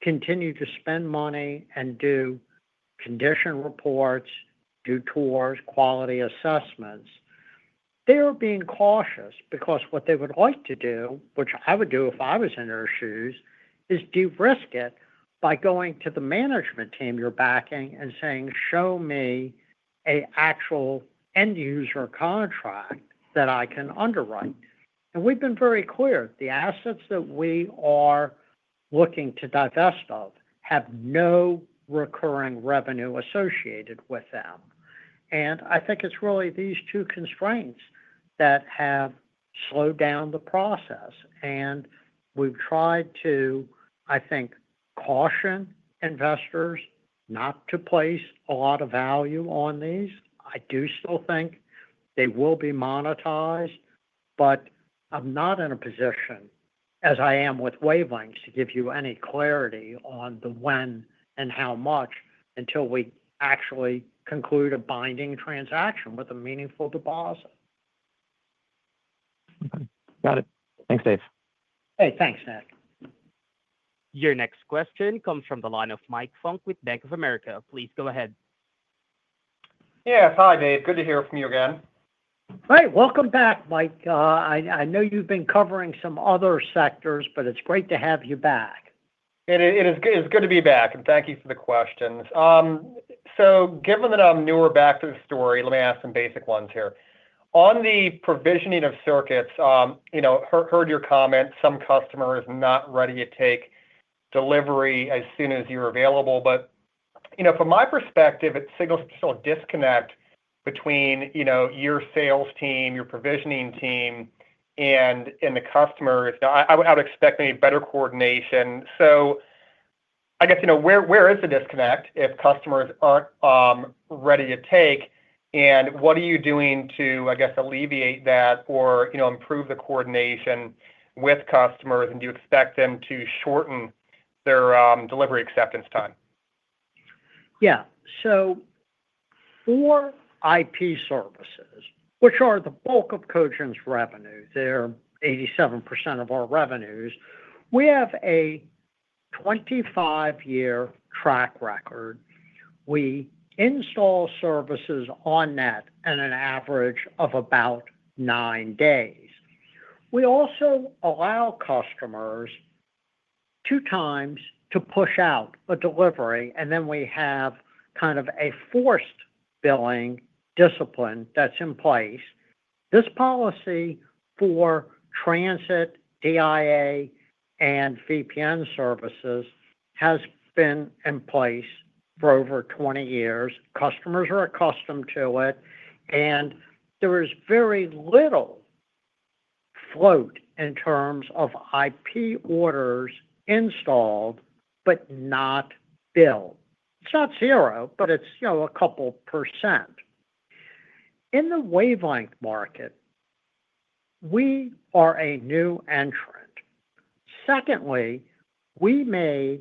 continued to spend money and do condition reports, do tours, quality assessments. They are being cautious because what they would like to do, which I would do if I was in their shoes, is de-risk it by going to the management team you're backing and saying, "Show me an actual end-user contract that I can underwrite." We have been very clear. The assets that we are looking to divest of have no recurring revenue associated with them. I think it's really these two constraints that have slowed down the process. We have tried to caution investors not to place a lot of value on these. I do still think they will be monetized, but I'm not in a position, as I am with wavelength services, to give you any clarity on the when and how much until we actually conclude a binding transaction with a meaningful deposit. Got it. Thanks, Dave. Hey, thanks, Nick. Your next question comes from the line of Mike Funk with Bank of America. Please go ahead. Yes. Hi, Dave. Good to hear from you again. Hey, welcome back, Mike. I know you've been covering some other sectors, but it's great to have you back. It is good to be back, and thank you for the questions. Given that I'm newer back to the story, let me ask some basic ones here. On the provisioning of circuits, I heard your comment, some customers are not ready to take delivery as soon as you're available. From my perspective, it signals a disconnect between your sales team, your provisioning team, and the customers. I would expect maybe better coordination. I guess, where is the disconnect if customers aren't ready to take? What are you doing to, I guess, alleviate that or improve the coordination with customers? Do you expect them to shorten their delivery acceptance time? Yeah. For IP services, which are the bulk of Cogent's revenue, they're 87% of our revenues. We have a 25-year track record. We install services on that at an average of about nine days. We also allow customers 2x to push out a delivery, and then we have kind of a forced billing discipline that's in place. This policy for transit, DIA, and VPN services has been in place for over 20 years. Customers are accustomed to it, and there is very little float in terms of IP orders installed but not billed. It's not zero, but it's a couple percent. In the wavelength market, we are a new entrant. We made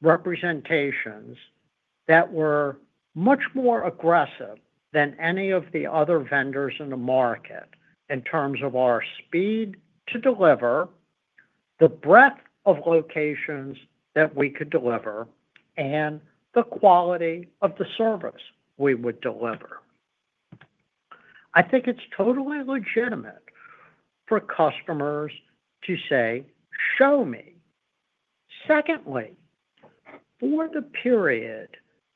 representations that were much more aggressive than any of the other vendors in the market in terms of our speed to deliver, the breadth of locations that we could deliver, and the quality of the service we would deliver. I think it's totally legitimate for customers to say, "Show me." For the period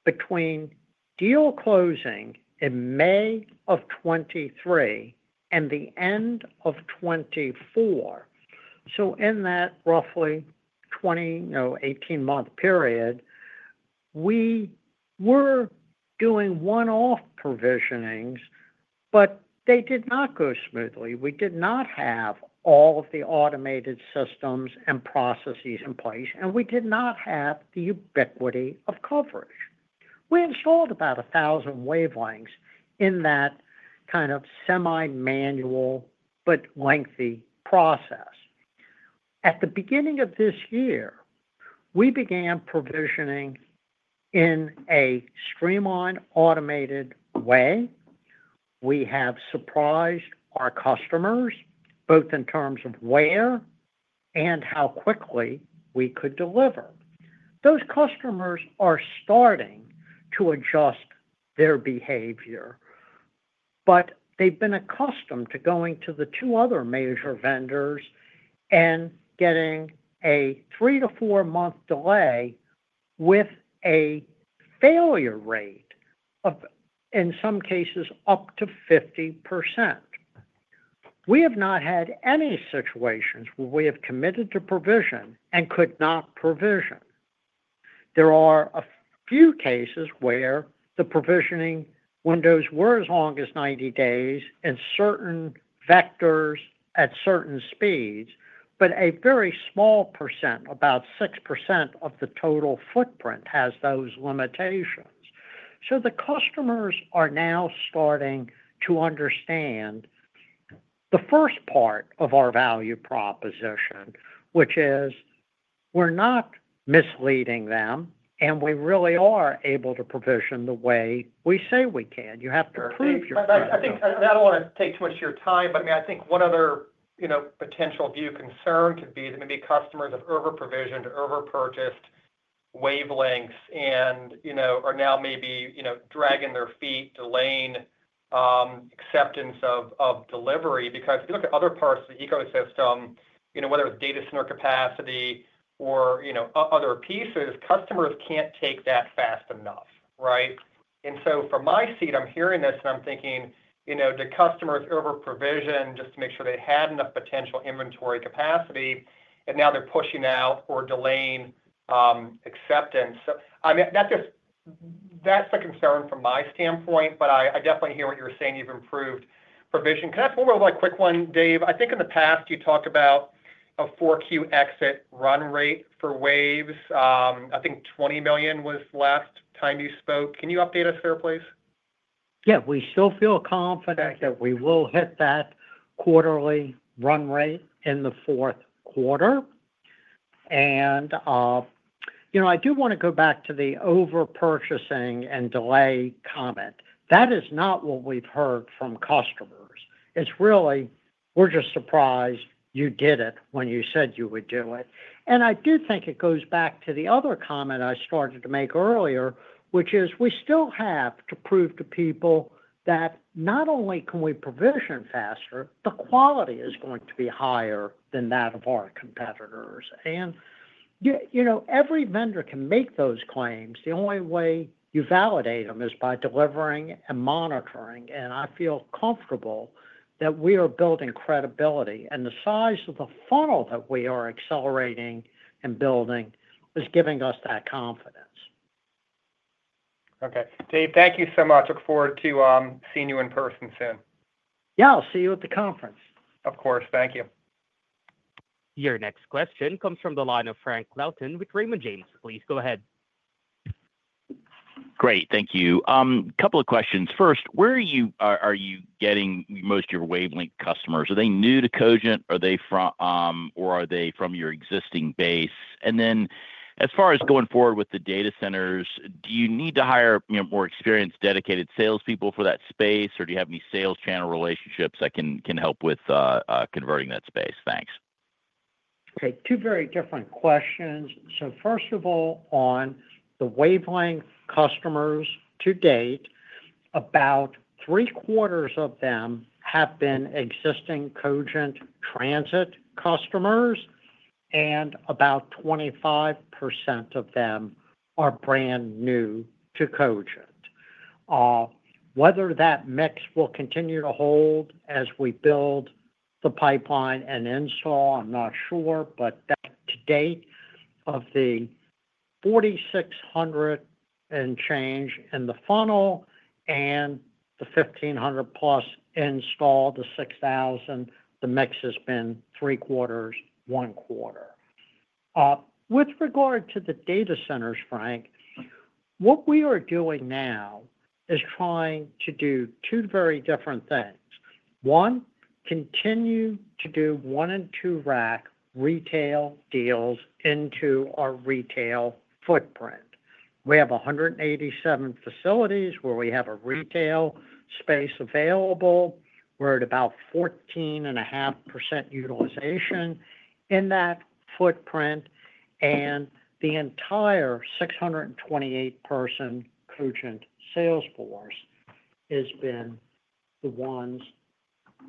between deal closing in May of 2023 and the end of 2024, so in that roughly 18-month period, we were doing one-off provisionings, but they did not go smoothly. We did not have all of the automated systems and processes in place, and we did not have the ubiquity of coverage. We installed about 1,000 wavelengths in that kind of semi-manual but lengthy process. At the beginning of this year, we began provisioning in a streamlined, automated way. We have surprised our customers both in terms of where and how quickly we could deliver. Those customers are starting to adjust their behavior, but they've been accustomed to going to the two other major vendors and getting a three to four-month delay with a failure rate of, in some cases, up to 50%. We have not had any situations where we have committed to provision and could not provision. There are a few cases where the provisioning windows were as long as 90 days in certain vectors at certain speeds, but a very small percent, about 6% of the total footprint, has those limitations. The customers are now starting to understand the first part of our value proposition, which is we're not misleading them, and we really are able to provision the way we say we can. You have to keep your faith. I think I don't want to take too much of your time, but I mean, I think one other potential view concern could be that maybe customers have over-provisioned or over-purchased wavelengths and are now maybe dragging their feet, delaying acceptance of delivery. If you look at other parts of the ecosystem, whether it's data center capacity or other pieces, customers can't take that fast enough, right? From my seat, I'm hearing this and I'm thinking, did customers over-provision just to make sure they had enough potential inventory capacity and now they're pushing out or delaying acceptance? That's a concern from my standpoint, but I definitely hear what you're saying. You've improved provision. Can I ask one more quick one, Dave? I think in the past you talked about a 4Q exit run rate for waves. I think $20 million was the last time you spoke. Can you update us there, please? Yeah, we sure feel confident that we will hit that quarterly run rate in the fourth quarter. I do want to go back to the over-purchasing and delay comment. That is not what we've heard from customers. It's really, we're just surprised you did it when you said you would do it. I do think it goes back to the other comment I started to make earlier, which is we still have to prove to people that not only can we provision faster, the quality is going to be higher than that of our competitors. Every vendor can make those claims. The only way you validate them is by delivering and monitoring. I feel comfortable that we are building credibility, and the size of the funnel that we are accelerating and building is giving us that confidence. Okay, Dave, thank you so much. Look forward to seeing you in person soon. Yeah, I'll see you at the conference. Of course, thank you. Your next question comes from the line of Frank Louthan with Raymond James. Please go ahead. Great, thank you. A couple of questions. First, where are you getting most of your wavelength customers? Are they new to Cogent? Are they from your existing base? As far as going forward with the data centers, do you need to hire more experienced dedicated salespeople for that space, or do you have any sales channel relationships that can help with converting that space? Thanks. Okay, two very different questions. First of all, on the wavelength customers to date, about three-quarters of them have been existing Cogent transit customers, and about 25% of them are brand new to Cogent. Whether that mix will continue to hold as we build the pipeline and install, I'm not sure, but to date, of the 4,600 and change in the funnel and the 1,500+ install, the 6,000, the mix has been three-quarters, one quarter. With regard to the data centers, Frank, what we are doing now is trying to do two very different things. One, continue to do one and two rack retail deals into our retail footprint. We have 187 facilities where we have retail space available. We're at about 14.5% utilization in that footprint, and the entire 628-person Cogent sales force has been the ones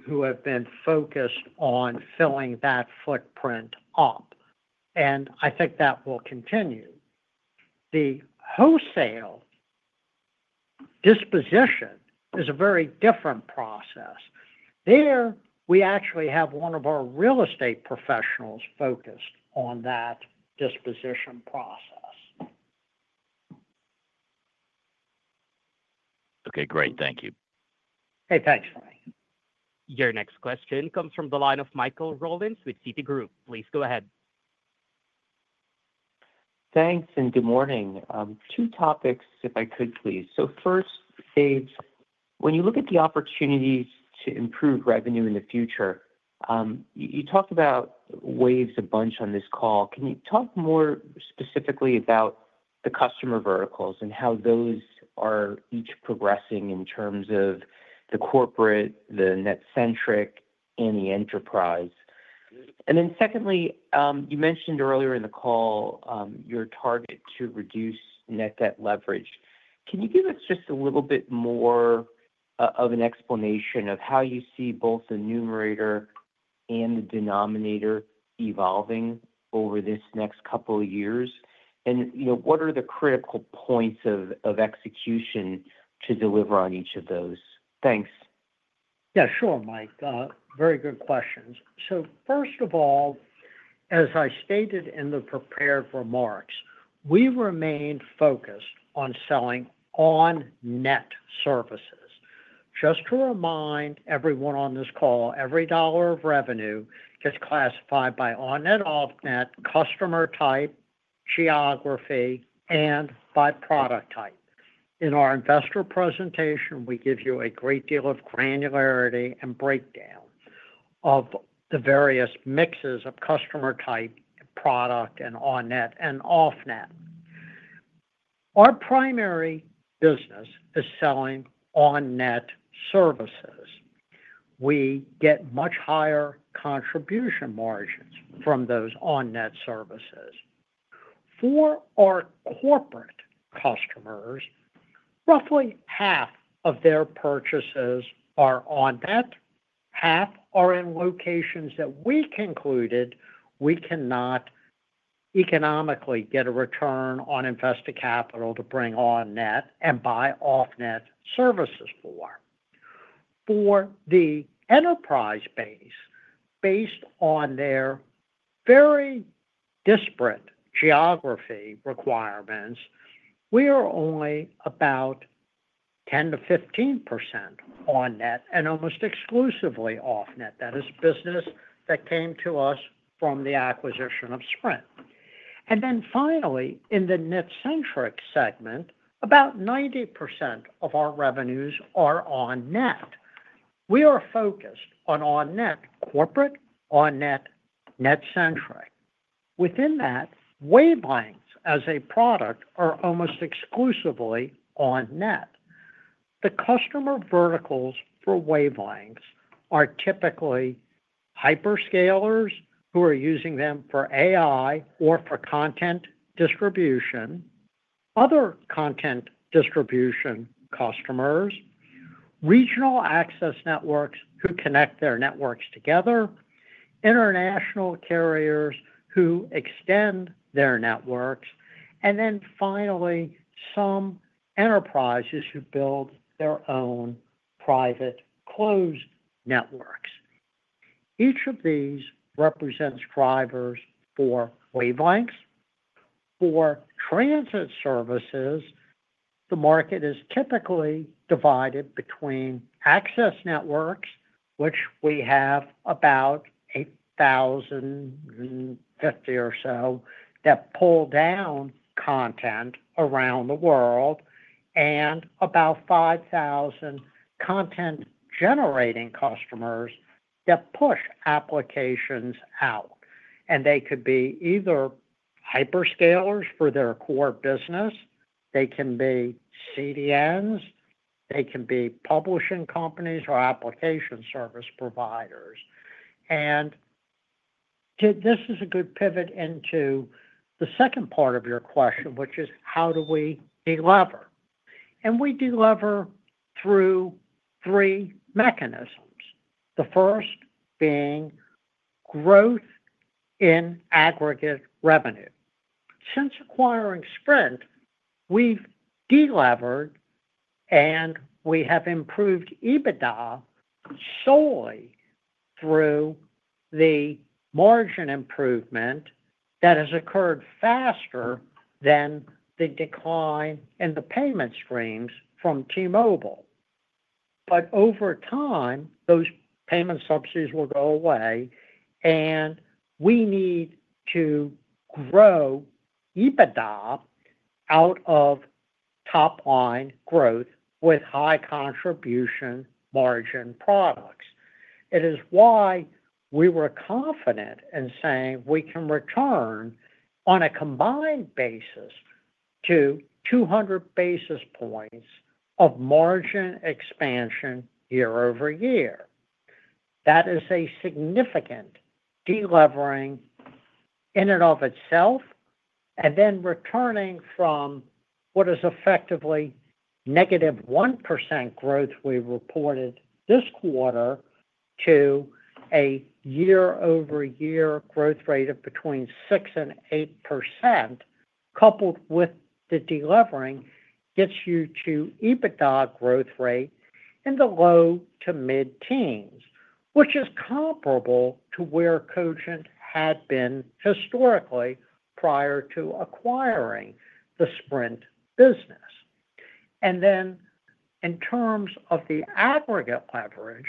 who have been focused on filling that footprint up. I think that will continue. The wholesale disposition is a very different process. There, we actually have one of our real estate professionals focused on that disposition process. Okay, great. Thank you. Okay, thanks, Frank. Your next question comes from the line of Michael Rollins with Citigroup. Please go ahead. Thanks, and good morning. Two topics, if I could, please. First, Dave, when you look at the opportunities to improve revenue in the future, you talked about waves a bunch on this call. Can you talk more specifically about the customer verticals and how those are each progressing in terms of the corporate, the net-centric, and the enterprise? Secondly, you mentioned earlier in the call your target to reduce net debt leverage. Can you give us just a little bit more of an explanation of how you see both the numerator and the denominator evolving over this next couple of years? What are the critical points of execution to deliver on each of those? Thanks. Yeah, sure, Mike. Very good questions. First of all, as I stated in the prepared remarks, we remain focused on selling on-net services. Just to remind everyone on this call, every dollar of revenue is classified by on-net, off-net, customer type, geography, and by product type. In our investor presentation, we give you a great deal of granularity and breakdown of the various mixes of customer type, product, and on-net and off-net. Our primary business is selling on-net services. We get much higher contribution margins from those on-net services. For our corporate customers, roughly half of their purchases are on-net, half are in locations that we concluded we cannot economically get a return on investor capital to bring on-net and buy off-net services for. The enterprise base, based on their very disparate geography requirements, we are only about 10%-15% on-net and almost exclusively off-net. That is business that came to us from the acquisition of Sprint. Finally, in the net-centric segment, about 90% of our revenues are on-net. We are focused on on-net corporate, on-net net-centric. Within that, wavelength as a product is almost exclusively on-net. The customer verticals for wavelength are typically hyperscalers who are using them for AI or for content distribution, other content distribution customers, regional access networks who connect their networks together, international carriers who extend their networks, and finally, some enterprises who build their own private closed networks. Each of these represents drivers for wavelength. For transit services, the market is typically divided between access networks, which we have about 1,850 or so that pull down content around the world, and about 5,000 content-generating customers that push applications out. They could be either hyperscalers for their core business, they can be CDNs, they can be publishing companies or application service providers. This is a good pivot into the second part of your question, which is how do we deliver? We deliver through three mechanisms, the first being growth in aggregate revenue. Since acquiring Sprint, we've delivered and we have improved EBITDA solely through the margin improvement that has occurred faster than the decline in the payment streams from T-Mobile. Over time, those payment subsidies will go away, and we need to grow EBITDA out of top-line growth with high contribution margin products. It is why we were confident in saying we can return on a combined basis to 200 basis points of margin expansion year over year. That is a significant delivery in and of itself. Returning from what is effectively negative 1% growth we reported this quarter to a year-over-year growth rate of between 6% and 8%, coupled with the delivering, gets you to EBITDA growth rate in the low to mid-teens, which is comparable to where Cogent had been historically prior to acquiring the Sprint business. In terms of the aggregate leverage,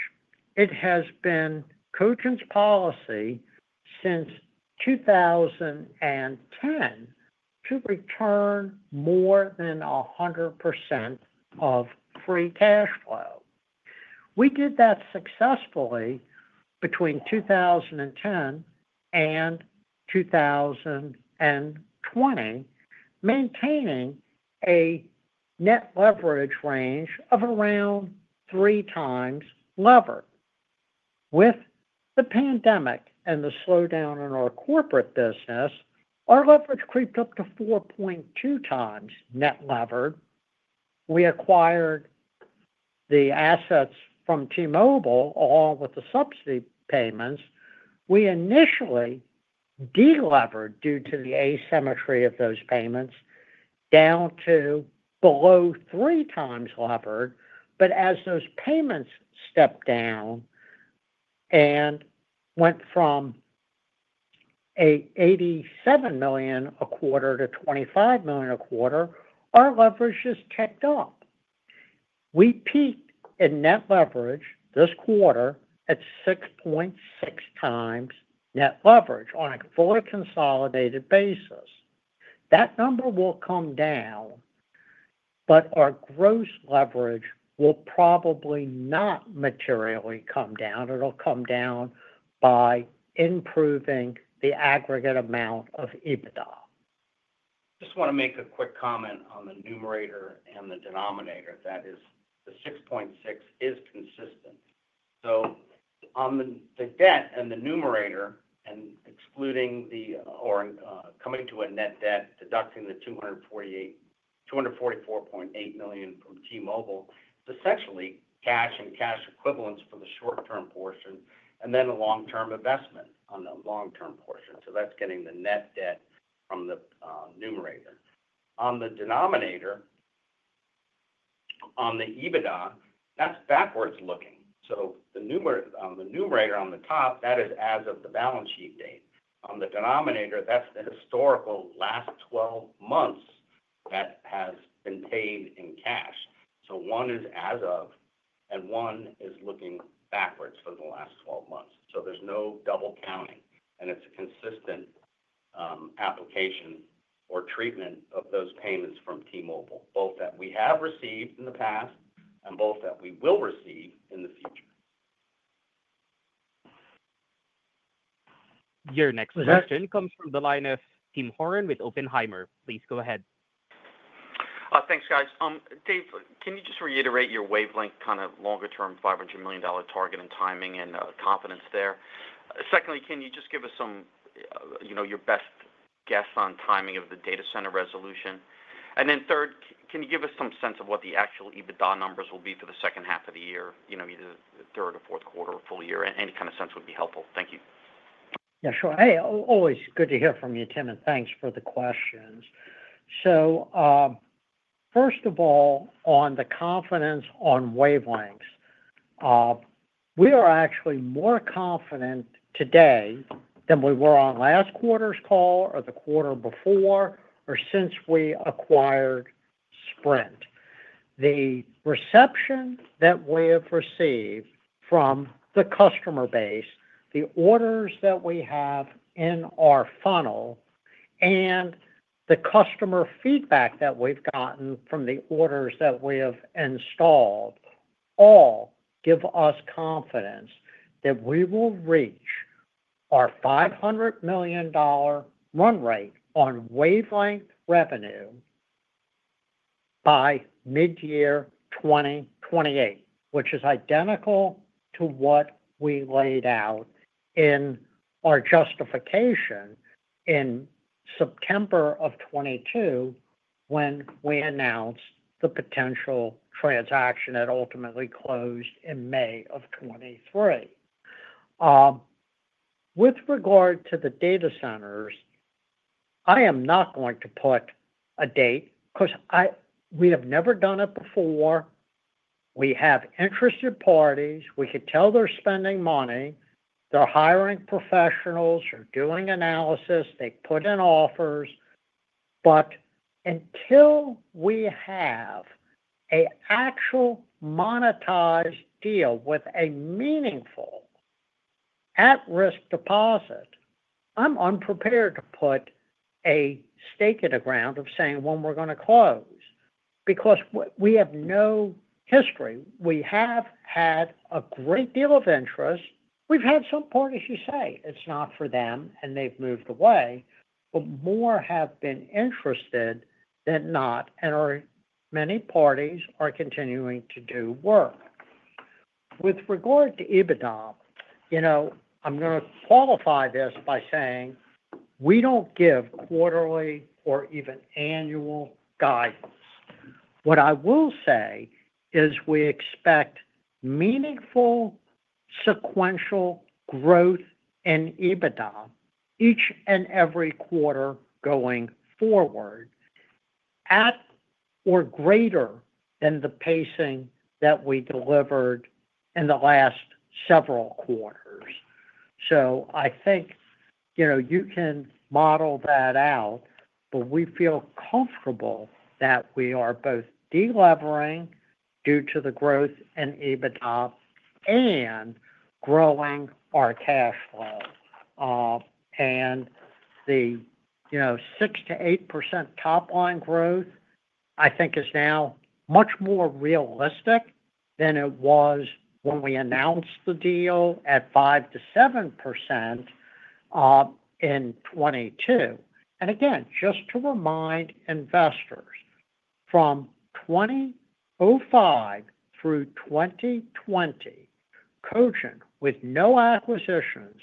it has been Cogent's policy since 2010 to return more than 100% of free cash flow. We did that successfully between 2010 and 2020, maintaining a net leverage range of around 3x levered. With the pandemic and the slowdown in our corporate business, our leverage creeped up to 4.2x net levered. We acquired the assets from T-Mobile along with the subsidy payments. We initially delivered due to the asymmetry of those payments down to below 3x levered. As those payments stepped down and went from $87 million a quarter to $25 million a quarter, our leverage just ticked up. We peaked in net leverage this quarter at 6.6x net leverage on a fully consolidated basis. That number will come down, although our gross leverage will probably not materially come down. It'll come down by improving the aggregate amount of EBITDA. Just want to make a quick comment on the numerator and the denominator. That is, the 6.6x is consistent on the debt and the numerator, and excluding or coming to a net debt, deducting the $244.8 million from T-Mobile. It's essentially cash and cash equivalents for the short-term portion and then a long-term investment on the long-term portion. That's getting the net debt from the numerator. On the denominator, on the EBITDA, that's backwards looking. The numerator on the top is as of the balance sheet date. The denominator is the historical last 12 months that has been paid in cash. One is as of and one is looking backwards for the last 12 months. There's no double counting. It's a consistent application or treatment of those payments from T-Mobile, both that we have received in the past and both that we will receive in the future. Your next introduction comes from the line of Tim Horan with Oppenheimer. Please go ahead. Thanks, guys. Dave, can you just reiterate your wavelength kind of longer-term $500 million target and timing and confidence there? Secondly, can you just give us your best guess on timing of the data center resolution? Third, can you give us some sense of what the actual EBITDA numbers will be for the second half of the year, either the third or fourth quarter or full year? Any kind of sense would be helpful. Thank you. Yeah, sure. Hey, always good to hear from you, Tim. Thanks for the questions. First of all, on the confidence on wavelengths, we are actually more confident today than we were on last quarter's call or the quarter before or since we acquired Sprint. The reception that we have received from the customer base, the orders that we have in our funnel, and the customer feedback that we've gotten from the orders that we have installed all give us confidence that we will reach our $500 million run rate on wavelength revenue by mid-year 2028, which is identical to what we laid out in our justification in September of 2022 when we announced the potential transaction that ultimately closed in May of 2023. With regard to the data centers, I am not going to put a date because we have never done it before. We have interested parties. We can tell they're spending money. They're hiring professionals or doing analysis. They put in offers. Until we have an actual monetized deal with a meaningful at-risk deposit, I'm unprepared to put a stake in the ground of saying when we're going to close because we have no history. We have had a great deal of interest. We've had some parties who say it's not for them and they've moved away, but more have been interested than not, and many parties are continuing to do work. With regard to EBITDA, I'm going to qualify this by saying we don't give quarterly or even annual guidance. What I will say is we expect meaningful sequential growth in EBITDA each and every quarter going forward at or greater than the pacing that we delivered in the last several quarters. I think you can model that out, but we feel comfortable that we are both delivering due to the growth in EBITDA and growing our cash flow. The 6%-8% top-line growth I think is now much more realistic than it was when we announced the deal at 5%-7% in 2022. Again, just to remind investors, from 2005 through 2020, Cogent Communications Holdings Inc. with no acquisitions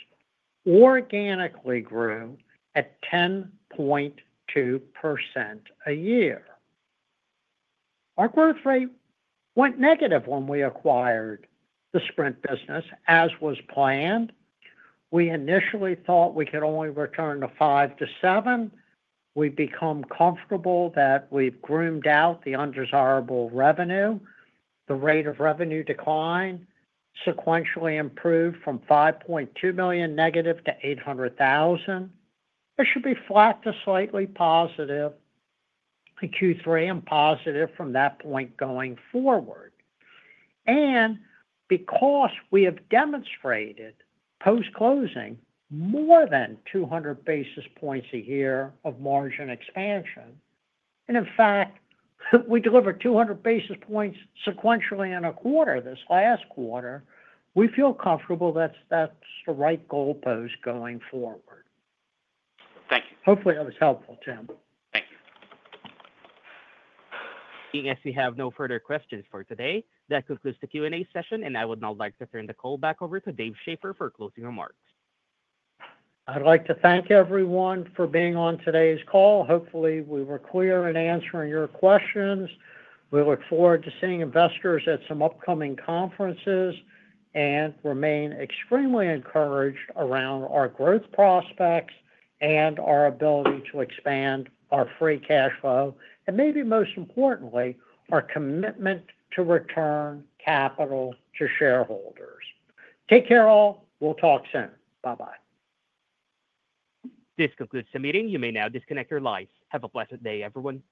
organically grew at 10.2% a year. Our growth rate went negative when we acquired the Sprint business as was planned. We initially thought we could only return to 5%-7% %. We've become comfortable that we've groomed out the undesirable revenue. The rate of revenue decline sequentially improved from $5.2 million negative to $800,000. It should be flat to slightly positive in Q3 and positive from that point going forward. Because we have demonstrated post-closing more than 200 basis points a year of margin expansion, and in fact, we delivered 200 basis points sequentially in a quarter this last quarter, we feel comfortable that's the right goalpost going forward. Thank you. Hopefully, that was helpful, Tim. Thank you. If you have no further questions for today, that concludes the Q&A session, and I would now like to turn the call back over to Dave Schaeffer for closing remarks. I'd like to thank everyone for being on today's call. Hopefully, we were clear in answering your questions. We look forward to seeing investors at some upcoming conferences and remain extremely encouraged around our growth prospects and our ability to expand our free cash flow and, maybe most importantly, our commitment to return capital to shareholders. Take care all. We'll talk soon. Bye-bye. This concludes the meeting. You may now disconnect your lines. Have a pleasant day, everyone.